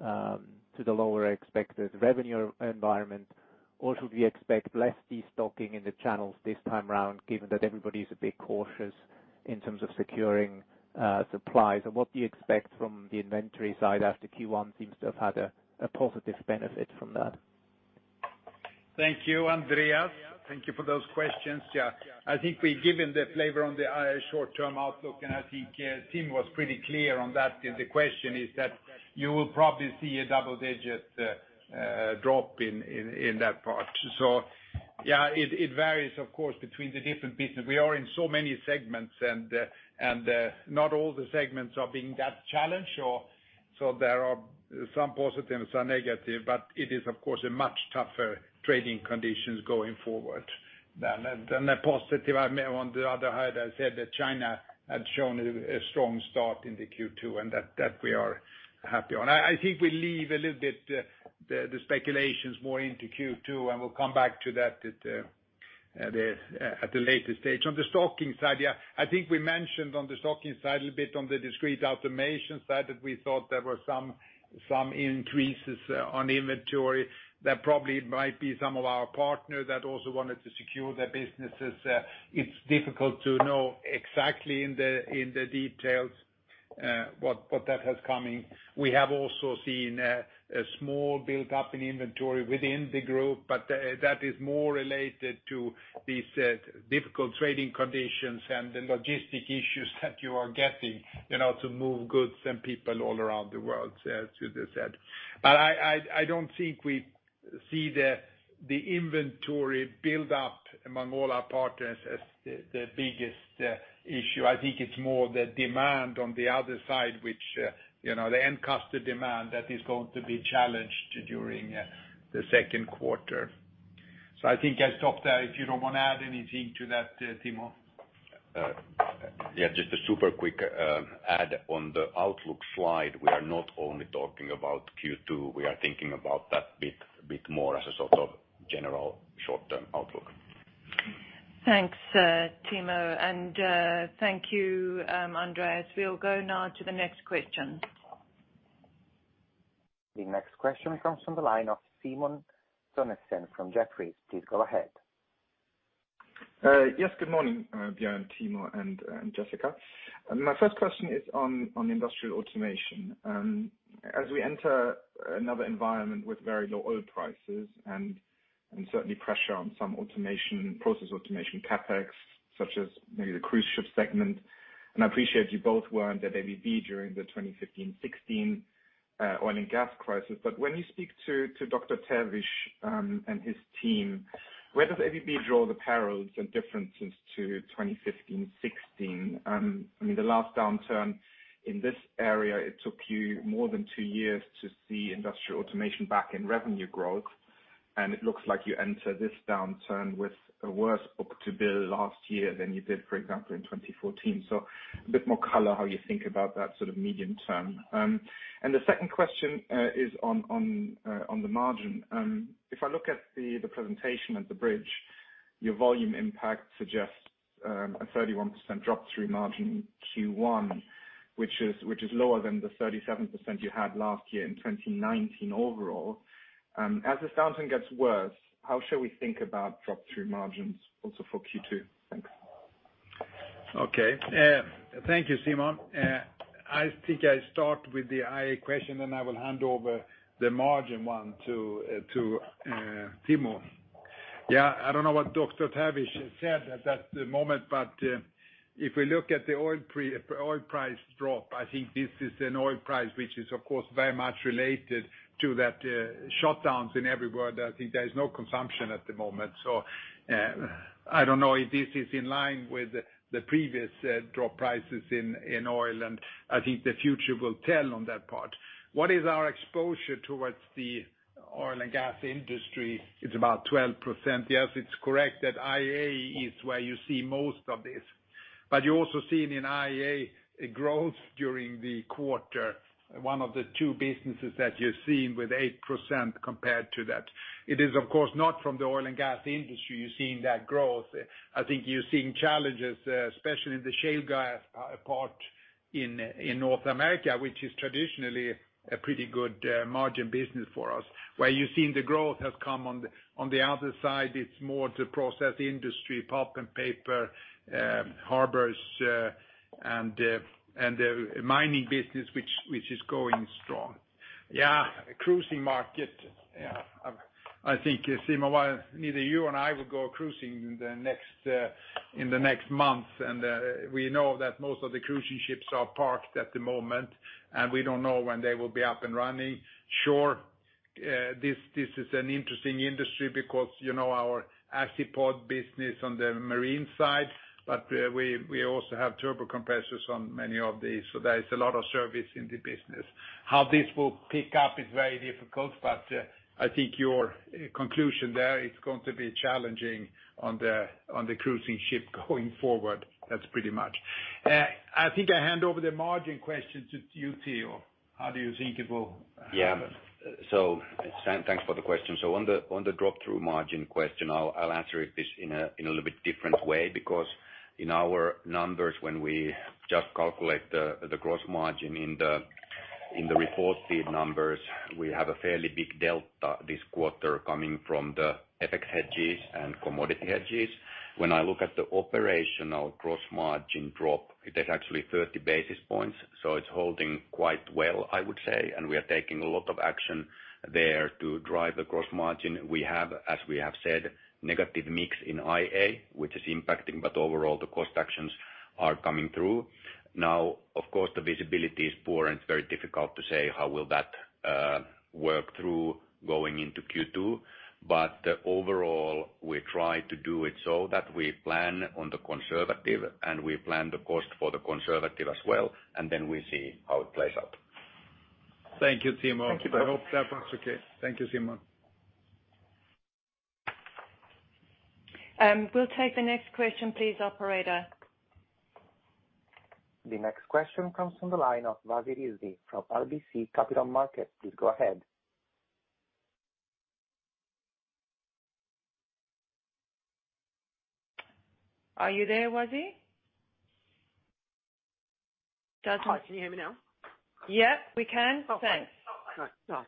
to the lower expected revenue environment? Should we expect less de-stocking in the channels this time around, given that everybody is a bit cautious in terms of securing supplies? What do you expect from the inventory side after Q1 seems to have had a positive benefit from that? Thank you, Andreas. Thank you for those questions. I think we've given the flavor on the short-term outlook, and I think Timo was pretty clear on that. The question is that you will probably see a double-digit drop in that part. It varies, of course, between the different business. We are in so many segments, and not all the segments are being that challenged. So there are some positives and negatives, but it is, of course, a much tougher trading condition going forward. A positive on the other hand, I said that China had shown a strong start in the Q2, and that we are happy on. I think we leave a little bit the speculations more into Q2, and we'll come back to that at a later stage. On the stocking side, I think we mentioned on the stocking side a little bit on the discrete automation side, that we thought there were some increases on inventory that probably might be some of our partners that also wanted to secure their businesses. It's difficult to know exactly in the details, what that has coming. We have also seen a small buildup in inventory within the group, but that is more related to these difficult trading conditions and the logistic issues that you are getting, to move goods and people all around the world, as you just said. But I don't think we see the inventory build up among all our partners as the biggest issue. I think it's more the demand on the other side, the end customer demand that is going to be challenged during the second quarter. I think I stop there if you don't want to add anything to that, Timo. Yeah, just a super quick add on the outlook slide. We are not only talking about Q2, we are thinking about that a bit more as a sort of general short-term outlook. Thanks, Timo, and thank you, Andreas. We'll go now to the next question. The next question comes from the line of Simon Toennessen from Jefferies. Please go ahead. Yes, good morning, Björn, Timo, and Jessica. My first question is on Industrial Automation. As we enter another environment with very low oil prices, and certainly pressure on some Process Automation CapEx, such as maybe the cruise ship segment, I appreciate you both were under ABB during the 2015-16 oil and gas crisis. When you speak to Peter Terwiesch and his team, where does ABB draw the parallels and differences to 2015-16? The last downturn in this area, it took you more than two years to see Industrial Automation back in revenue growth, and it looks like you enter this downturn with a worse book-to-bill last year than you did, for example, in 2014. A bit more color how you think about that sort of medium term. The second question is on the margin. If I look at the presentation and the bridge, your volume impact suggests a 31% drop-through margin Q1, which is lower than the 37% you had last year in 2019 overall. As this downturn gets worse, how should we think about drop-through margins also for Q2? Thanks. Okay. Thank you, Simon. I think I start with the IA question then I will hand over the margin one to Timo. I don't know what Peter Terwiesch said at that moment, but if we look at the oil price drop, I think this is an oil price, which is, of course, very much related to that shutdowns in every world. I think there is no consumption at the moment. I don't know if this is in line with the previous drop prices in oil, and I think the future will tell on that part. What is our exposure towards the oil and gas industry? It's about 12%. Yes, it's correct that IA is where you see most of this, but you also see in IA a growth during the quarter, one of the two businesses that you're seeing with 8% compared to that. It is, of course, not from the oil and gas industry you're seeing that growth. I think you're seeing challenges, especially in the shale gas part in North America, which is traditionally a pretty good margin business for us. Where you're seeing the growth has come on the other side, it's more the process industry, pulp and paper, harbors, and the mining business, which is going strong. Yeah, cruising market. I think, Simon, neither you or I will go cruising in the next month, and we know that most of the cruising ships are parked at the moment, and we don't know when they will be up and running. Sure, this is an interesting industry because our Azipod business on the marine side, but we also have turbo compressors on many of these, so there is a lot of service in the business. How this will pick up is very difficult, but I think your conclusion there, it's going to be challenging on the cruising ship going forward. That's pretty much. I think I hand over the margin question to you, Timo. How do you think it will happen? Yeah. Thanks for the question. On the drop-through margin question, I'll answer it in a little bit different way, because in our numbers, when we just calculate the gross margin in the reported numbers, we have a fairly big delta this quarter coming from the FX hedges and commodity hedges. When I look at the operational gross margin drop, it is actually 30 basis points, so it's holding quite well, I would say, and we are taking a lot of action there to drive the gross margin. We have, as we have said, negative mix in IA, which is impacting, but overall, the cost actions are coming through. Of course, the visibility is poor, and it's very difficult to say how will that work through going into Q2. Overall, we try to do it so that we plan on the conservative, and we plan the cost for the conservative as well, and then we see how it plays out. Thank you, Timo. Thank you very much. I hope that was okay. Thank you, Simon. We'll take the next question, please, operator. The next question comes from the line of Wasi Rizvi from RBC Capital Markets. Please go ahead. Are you there, Wasi? Justin. Hi, can you hear me now? Yeah, we can. Thanks. Oh, hi.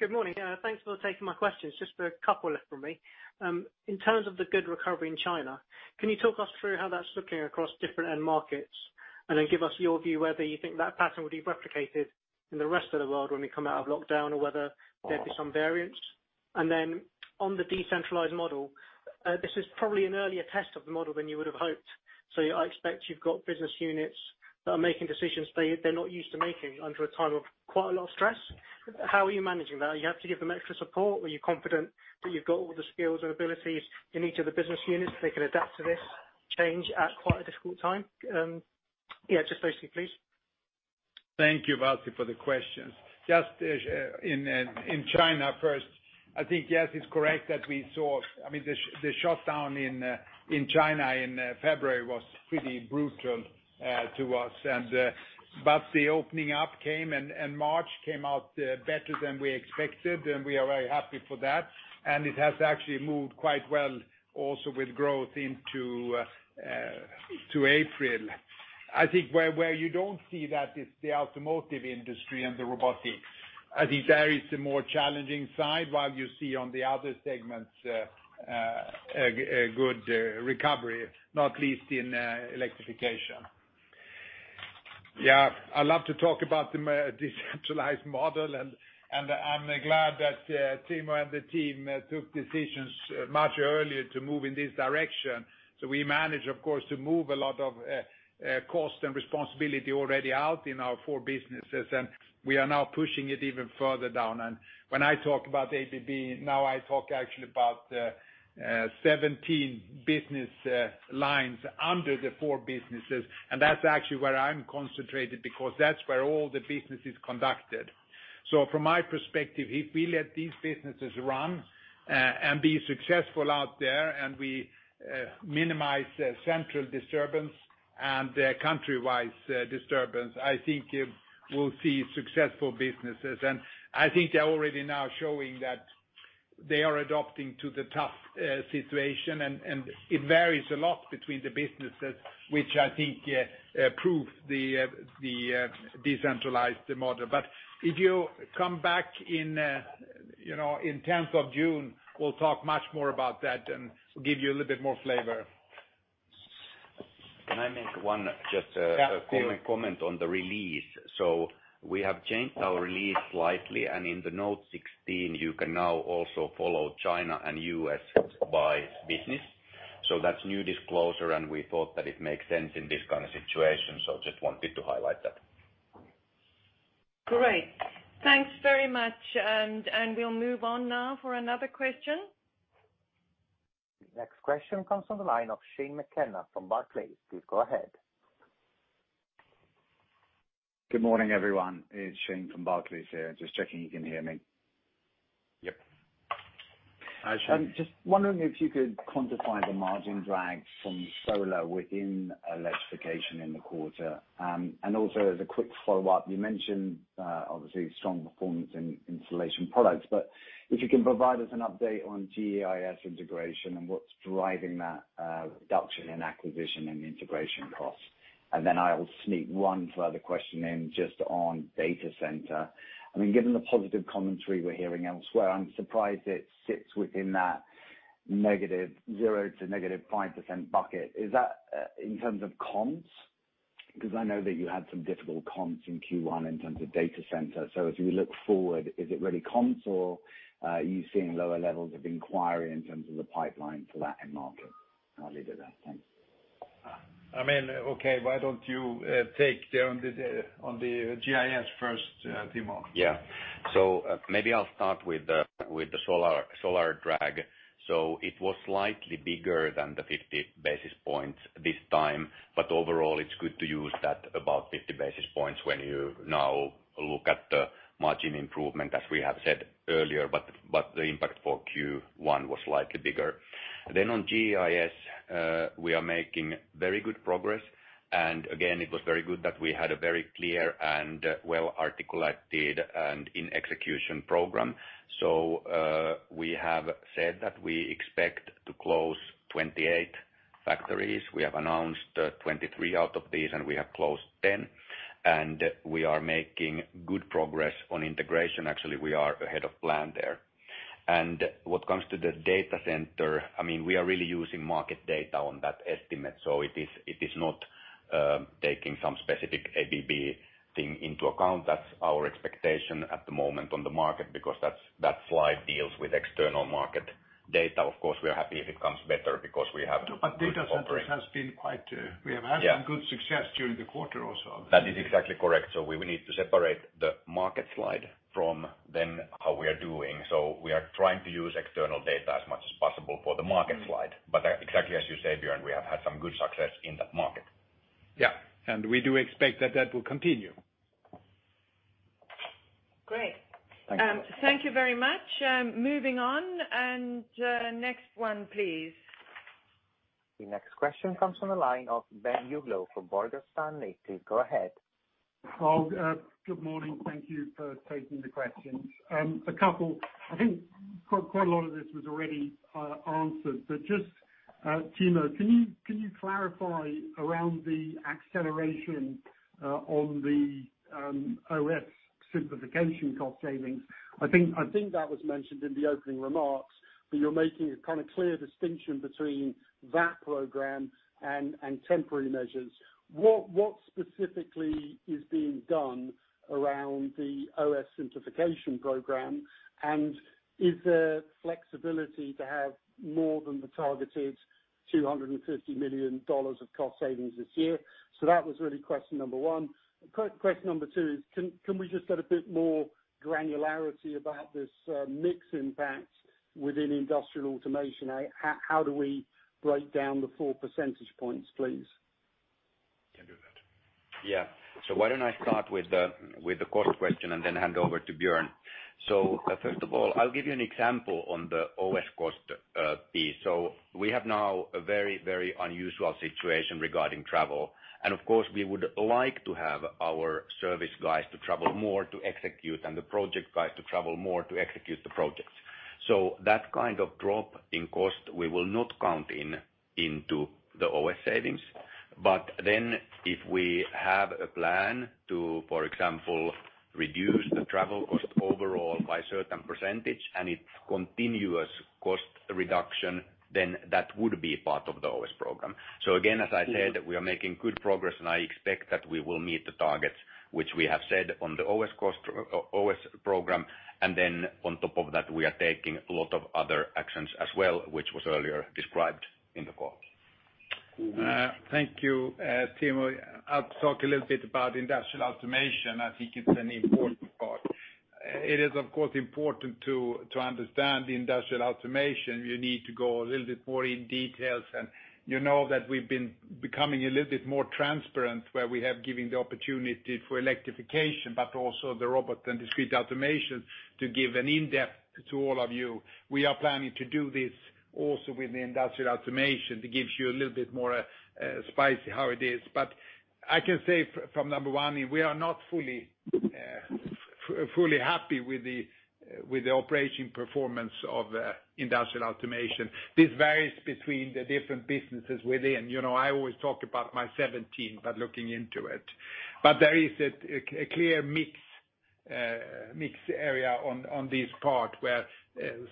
Good morning. Thanks for taking my questions. Just a couple left from me. In terms of the good recovery in China, can you talk us through how that's looking across different end markets? Give us your view whether you think that pattern will be replicated in the rest of the world when we come out of lockdown or whether there'd be some variance. On the decentralized model, this is probably an earlier test of the model than you would have hoped. I expect you've got business units that are making decisions they're not used to making under a time of quite a lot of stress. How are you managing that? You have to give them extra support. Are you confident that you've got all the skills and abilities in each of the business units, they can adapt to this change at quite a difficult time? Yeah, just briefly, please. Thank you, Wasi, for the questions. Just in China first, I think, yes, it's correct that we saw the shutdown in China in February was pretty brutal to us. The opening up came. March came out better than we expected. We are very happy for that. It has actually moved quite well also with growth into April. I think where you don't see that is the automotive industry and the robotics. I think there is a more challenging side while you see on the other segments a good recovery, not least in electrification. I love to talk about the decentralized model. I'm glad that Timo and the team took decisions much earlier to move in this direction. We managed, of course, to move a lot of cost and responsibility already out in our four businesses, and we are now pushing it even further down. When I talk about ABB, now I talk actually about 17 business lines under the four businesses, and that's actually where I'm concentrated because that's where all the business is conducted. From my perspective, if we let these businesses run and be successful out there and we minimize central disturbance and country-wise disturbance, I think we'll see successful businesses. I think they're already now showing that they are adapting to the tough situation, and it varies a lot between the businesses, which I think proves the decentralized model. If you come back in 10th of June, we'll talk much more about that and give you a little bit more flavor. Can I make one? Yeah, please. A quick comment on the release? We have changed our release slightly. In the note 16, you can now also follow China and U.S. by business. That's new disclosure, and we thought that it makes sense in this kind of situation. Just wanted to highlight that. Great. Thanks very much, and we'll move on now for another question. The next question comes from the line of Shane McKenna from Barclays. Please go ahead. Good morning, everyone. It's Shane from Barclays here. Just checking you can hear me. Yep. Hi, Shane. I'm just wondering if you could quantify the margin drag from solar within electrification in the quarter. Also as a quick follow-up, you mentioned, obviously, strong performance in installation products, but if you can provide us an update on GEIS integration and what's driving that reduction in acquisition and integration costs. Then I will sneak one further question in just on data center. Given the positive commentary we're hearing elsewhere, I'm surprised it sits within that 0% to -5% bucket. Is that in terms of comps? I know that you had some difficult comps in Q1 in terms of data center. As we look forward, is it really comps or are you seeing lower levels of inquiry in terms of the pipeline for that end market? I'll leave it at that. Thanks. Okay. Why don't you take on the GIS first, Timo? Maybe I'll start with the solar drag. It was slightly bigger than the 50 basis points this time, but overall, it's good to use that about 50 basis points when you now look at the margin improvement, as we have said earlier. The impact for Q1 was slightly bigger. On GIS, we are making very good progress. Again, it was very good that we had a very clear and well-articulated and in execution program. We have said that we expect to close 28 factories. We have announced 23 out of these, and we have closed 10, and we are making good progress on integration. Actually, we are ahead of plan there. What comes to the data center, we are really using market data on that estimate. It is not taking some specific ABB thing into account. That's our expectation at the moment on the market because that slide deals with external market data. Of course, we are happy if it comes better. We have had some good success during the quarter also. That is exactly correct. We need to separate the market slide from then how we are doing. We are trying to use external data as much as possible for the market slide. Exactly as you say, Björn, we have had some good success in that market. Yeah. We do expect that that will continue. Great. Thank you. Thank you very much. Moving on. Next one, please. The next question comes from the line of Ben Uglow from Morgan Stanley. Please go ahead. Well, good morning. Thank you for taking the questions. A couple. I think quite a lot of this was already answered, just, Timo, can you clarify around the acceleration on the OS simplification cost savings? I think that was mentioned in the opening remarks, you're making a kind of clear distinction between that program and temporary measures. What specifically is being done around the OS simplification program? Is there flexibility to have more than the targeted $250 million of cost savings this year? That was really question number one. Question number two is, can we just get a bit more granularity about this mix impact within industrial automation? How do we break down the four percentage points, please? Can do that. Yeah. Why don't I start with the cost question and then hand over to Björn? First of all, I'll give you an example on the OS cost piece. We have now a very, very unusual situation regarding travel, and of course, we would like to have our service guys to travel more to execute and the project guys to travel more to execute the projects. That kind of drop in cost we will not count into the OS savings. If we have a plan to, for example, reduce the travel cost overall by a certain percentage and it's continuous cost reduction, then that would be part of the OS program. Again, as I said, we are making good progress, and I expect that we will meet the targets which we have said on the OS program. On top of that, we are taking a lot of other actions as well, which was earlier described in the call. Cool. Thank you, Timo. I'll talk a little bit about Industrial Automation. I think it's an important part. It is, of course, important to understand Industrial Automation. You need to go a little bit more in details, and you know that we've been becoming a little bit more transparent, where we have given the opportunity for Electrification, but also the Robot and Discrete Automation to give an in-depth to all of you. We are planning to do this also with the Industrial Automation. It gives you a little bit more spice how it is. I can say from number one, we are not fully happy with the operation performance of Industrial Automation. This varies between the different businesses within. I always talk about my 17 by looking into it. There is a clear mixed area on this part, where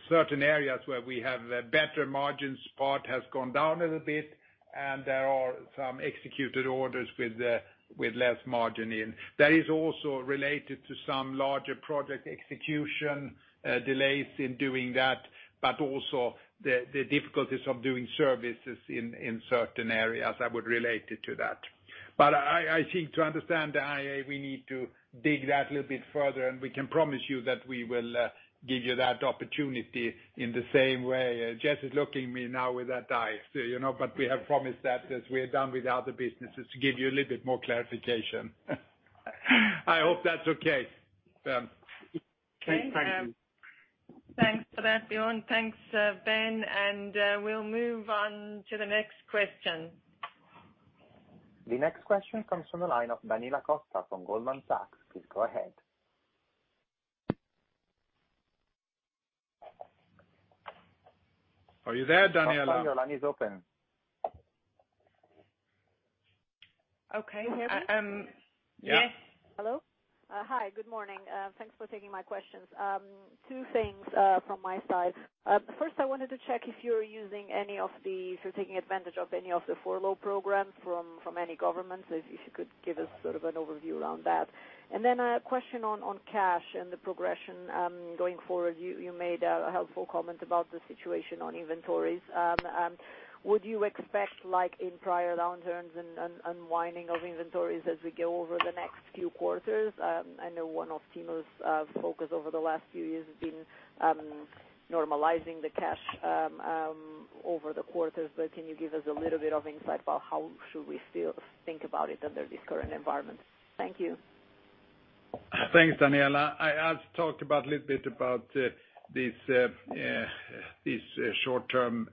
certain areas where we have better margins part has gone down a little bit, and there are some executed orders with less margin in. That is also related to some larger project execution, delays in doing that, but also the difficulties of doing services in certain areas that would relate it to that. I think to understand IA, we need to dig that a little bit further, and we can promise you that we will give you that opportunity in the same way. Jess is looking me now with that eye. We have promised that as we are done with the other businesses, to give you a little bit more clarification. I hope that's okay. Okay. Thank you. Thanks for that, Björn. Thanks, Ben. We'll move on to the next question. The next question comes from the line of Daniela Costa from Goldman Sachs. Please go ahead. Are you there, Daniela? Your line is open. Okay. Hear me? Yeah. Yes. Hello? Hi, good morning. Thanks for taking my questions. Two things from my side. First, I wanted to check if you're taking advantage of any of the furlough programs from any government. If you could give us sort of an overview around that. Then a question on cash and the progression going forward. You made a helpful comment about the situation on inventories. Would you expect, like in prior downturns, an unwinding of inventories as we go over the next few quarters? I know one of Timo's focus over the last few years has been normalizing the cash over the quarters, but can you give us a little bit of insight about how should we still think about it under this current environment? Thank you. Thanks, Daniela. I've talked a little bit about these short-term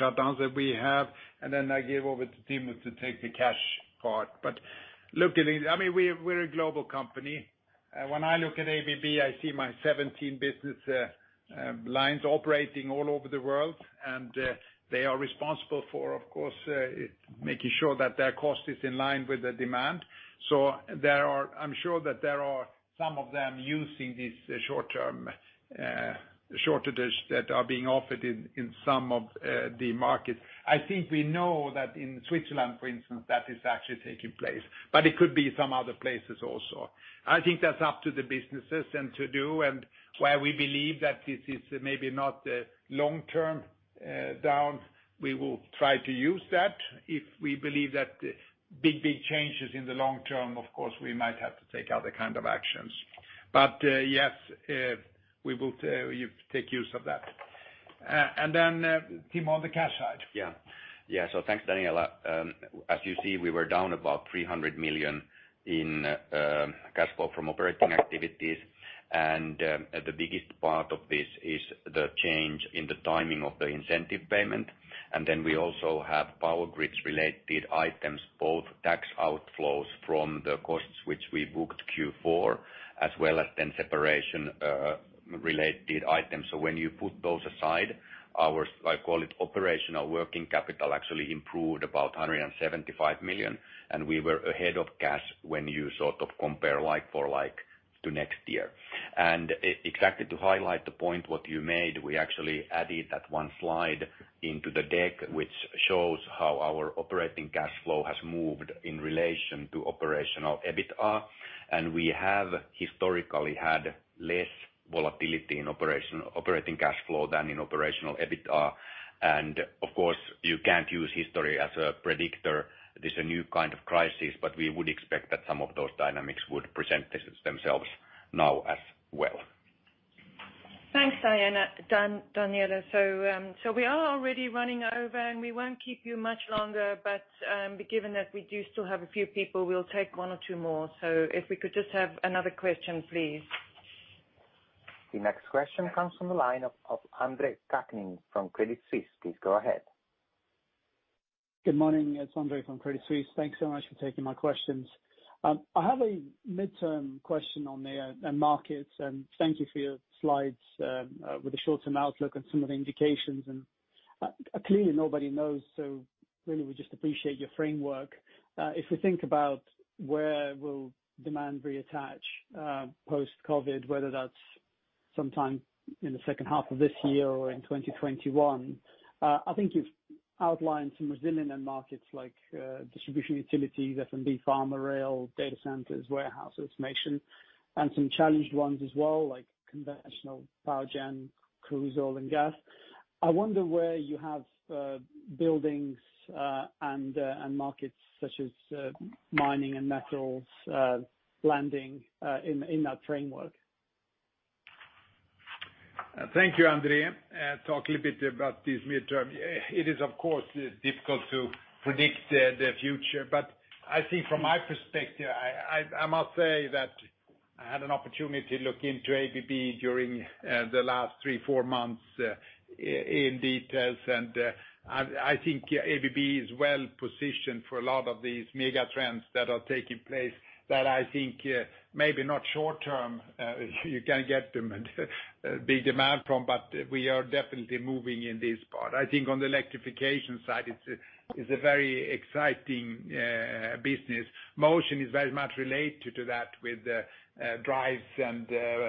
shutdowns that we have. I gave over to Timo to take the cash part. Look, we're a global company. When I look at ABB, I see my 17 business lines operating all over the world. They are responsible for, of course, making sure that their cost is in line with the demand. I'm sure that there are some of them using these short-term shortages that are being offered in some of the markets. I think we know that in Switzerland, for instance, that is actually taking place. It could be some other places also. I think that's up to the businesses to do and where we believe that this is maybe not long-term down, we will try to use that. If we believe that big changes in the long term, of course, we might have to take other kind of actions. Yes, we will take use of that. Timo on the cash side. Thanks, Daniela. As you see, we were down about $300 million in cash flow from operating activities, and the biggest part of this is the change in the timing of the incentive payment. We also have Power Grids related items, both tax outflows from the costs, which we booked Q4, as well as separation-related items. When you put those aside, our, I call it operational working capital, actually improved about $175 million, and we were ahead of cash when you sort of compare like for like to next year. Exactly to highlight the point what you made, we actually added that one slide into the deck, which shows how our operating cash flow has moved in relation to operational EBITDA. We have historically had less volatility in operating cash flow than in operational EBITDA. Of course, you can't use history as a predictor. This is a new kind of crisis, but we would expect that some of those dynamics would present themselves now as well. Thanks, Daniela. We are already running over, and we won't keep you much longer, but given that we do still have a few people, we'll take one or two more. If we could just have another question, please. The next question comes from the line of Andre Kukhnin from Credit Suisse. Please go ahead. Good morning. It's Andre from Credit Suisse. Thanks so much for taking my questions. I have a midterm question on the end markets. Thank you for your slides with the short-term outlook and some of the indications. Clearly nobody knows. Really we just appreciate your framework. If we think about where will demand reattach post-COVID, whether that's sometime in the second half of this year or in 2021, I think you've outlined some resilient end markets like distribution utilities, F&B, pharma, rail, data centers, warehouses, automation, and some challenged ones as well, like conventional power gen, cruise, oil and gas. I wonder where you have buildings and markets such as mining and metals landing in that framework. Thank you, Andre. Talk a little bit about this midterm. It is, of course, difficult to predict the future. I think from my perspective, I must say that I had an opportunity to look into ABB during the last three, four months in details. I think ABB is well-positioned for a lot of these mega trends that are taking place that I think maybe not short-term, you can get them big demand from, but we are definitely moving in this part. I think on the electrification side, it's a very exciting business. Motion is very much related to that with drives and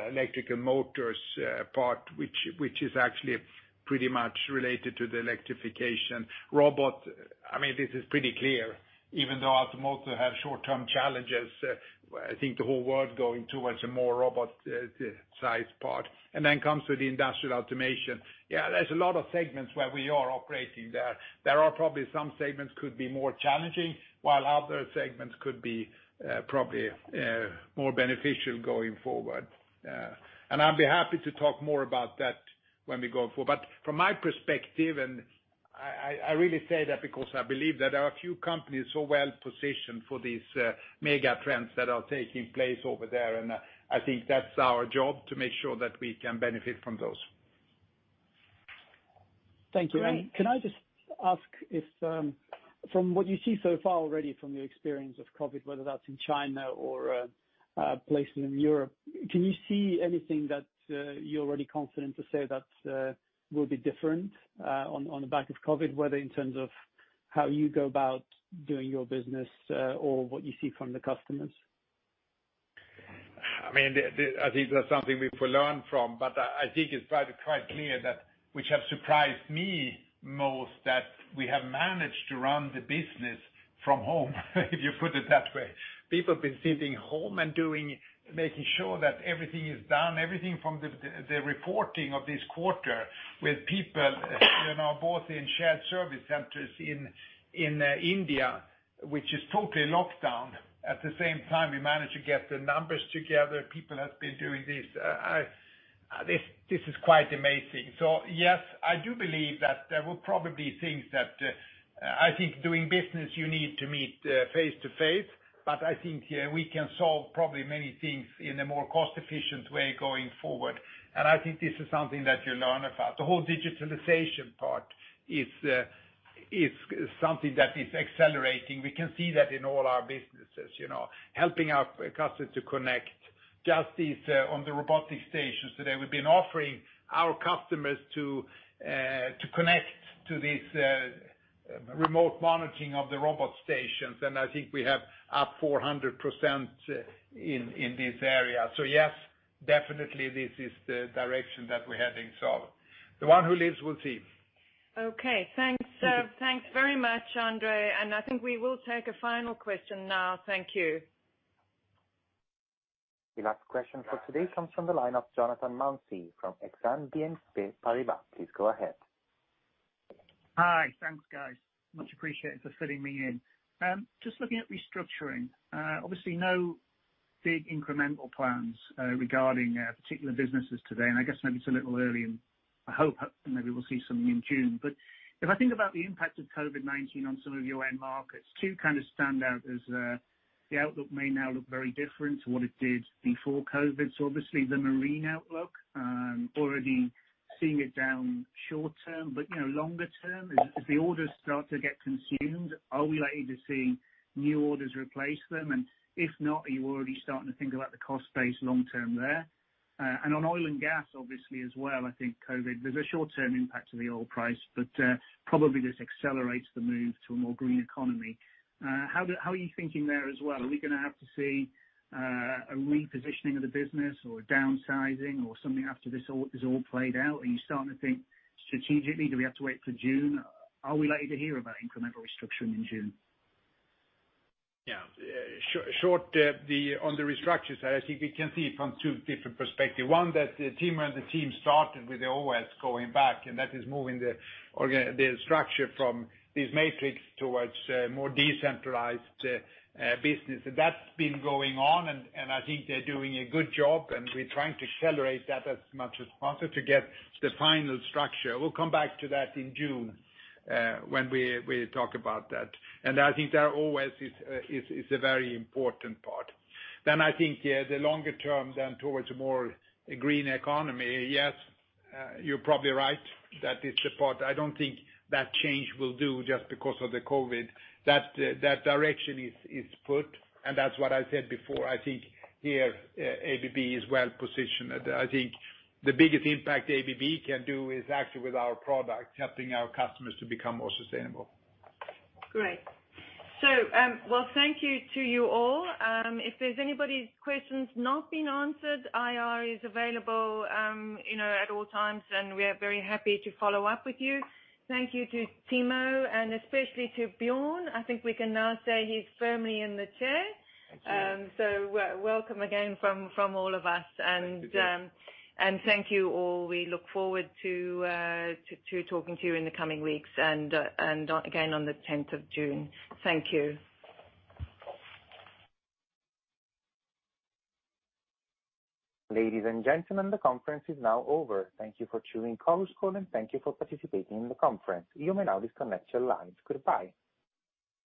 electrical motors part, which is actually pretty much related to the electrification robot. This is pretty clear. Even though automotive have short-term challenges, I think the whole world going towards a more robot size part. Comes with the Industrial Automation. Yeah, there's a lot of segments where we are operating there. There are probably some segments could be more challenging, while other segments could be probably more beneficial going forward. I'd be happy to talk more about that when we go forward. From my perspective, and I really say that because I believe that there are a few companies so well-positioned for these mega trends that are taking place over there. I think that's our job to make sure that we can benefit from those. Thank you. Great. Can I just ask if, from what you see so far already from your experience of COVID, whether that's in China or places in Europe, can you see anything that you're already confident to say that will be different on the back of COVID, whether in terms of how you go about doing your business or what you see from the customers? I think that's something we could learn from, but I think it's probably quite clear that which have surprised me most that we have managed to run the business from home, if you put it that way. People have been sitting home and making sure that everything is done, everything from the reporting of this quarter with people, both in shared service centers in India, which is totally locked down. At the same time, we managed to get the numbers together. People have been doing this. This is quite amazing. Yes, I do believe that there will probably things that, I think doing business, you need to meet face-to-face, but I think we can solve probably many things in a more cost-efficient way going forward. I think this is something that you learn about. The whole digitalization part is something that is accelerating. We can see that in all our businesses, helping our customers to connect. Just this on the robotic stations today, we've been offering our customers to connect to this remote monitoring of the robot stations, and I think we have up 400% in this area. Yes, definitely this is the direction that we're heading. The one who lives will see. Okay, thanks. Thanks very much, Andre. I think we will take a final question now. Thank you. The last question for today comes from the line of Jonathan Mounsey from BNP Paribas Exane. Please go ahead. Hi. Thanks, guys. Much appreciated for filling me in. Just looking at restructuring. Obviously, no big incremental plans regarding particular businesses today, and I guess maybe it's a little early, and I hope maybe we'll see something in June. If I think about the impact of COVID-19 on some of your end markets, two kind of stand out as the outlook may now look very different to what it did before COVID. Obviously, the marine outlook, already seeing it down short term, but longer term, if the orders start to get consumed, are we likely to see new orders replace them? If not, are you already starting to think about the cost base long term there? On oil and gas, obviously, as well, I think COVID, there's a short-term impact to the oil price, but probably this accelerates the move to a more green economy. How are you thinking there as well? Are we going to have to see a repositioning of the business or a downsizing or something after this all played out? Are you starting to think strategically? Do we have to wait for June? Are we likely to hear about incremental restructuring in June? On the restructure side, I think we can see it from two different perspectives. One that the team started with the ABB OS going back, and that is moving the structure from these matrix towards a more decentralized business. That's been going on, and I think they're doing a good job, and we're trying to accelerate that as much as possible to get the final structure. We'll come back to that in June when we talk about that. I think that always is a very important part. I think the longer term towards a more green economy, you're probably right that it's a part. I don't think that change will do just because of the COVID-19. That direction is put, and that's what I said before. I think here ABB is well-positioned. I think the biggest impact ABB can do is actually with our product, helping our customers to become more sustainable. Great. Well, thank you to you all. If there's anybody's questions not been answered, IR is available at all times, and we are very happy to follow up with you. Thank you to Timo and especially to Björn. I think we can now say he's firmly in the chair. Thank you. Welcome again from all of us. Thank you, Jess. Thank you all. We look forward to talking to you in the coming weeks, and again on the 10th of June. Thank you. Ladies and gentlemen, the conference is now over. Thank you for choosing Chorus Call, and thank you for participating in the conference. You may now disconnect your lines. Goodbye.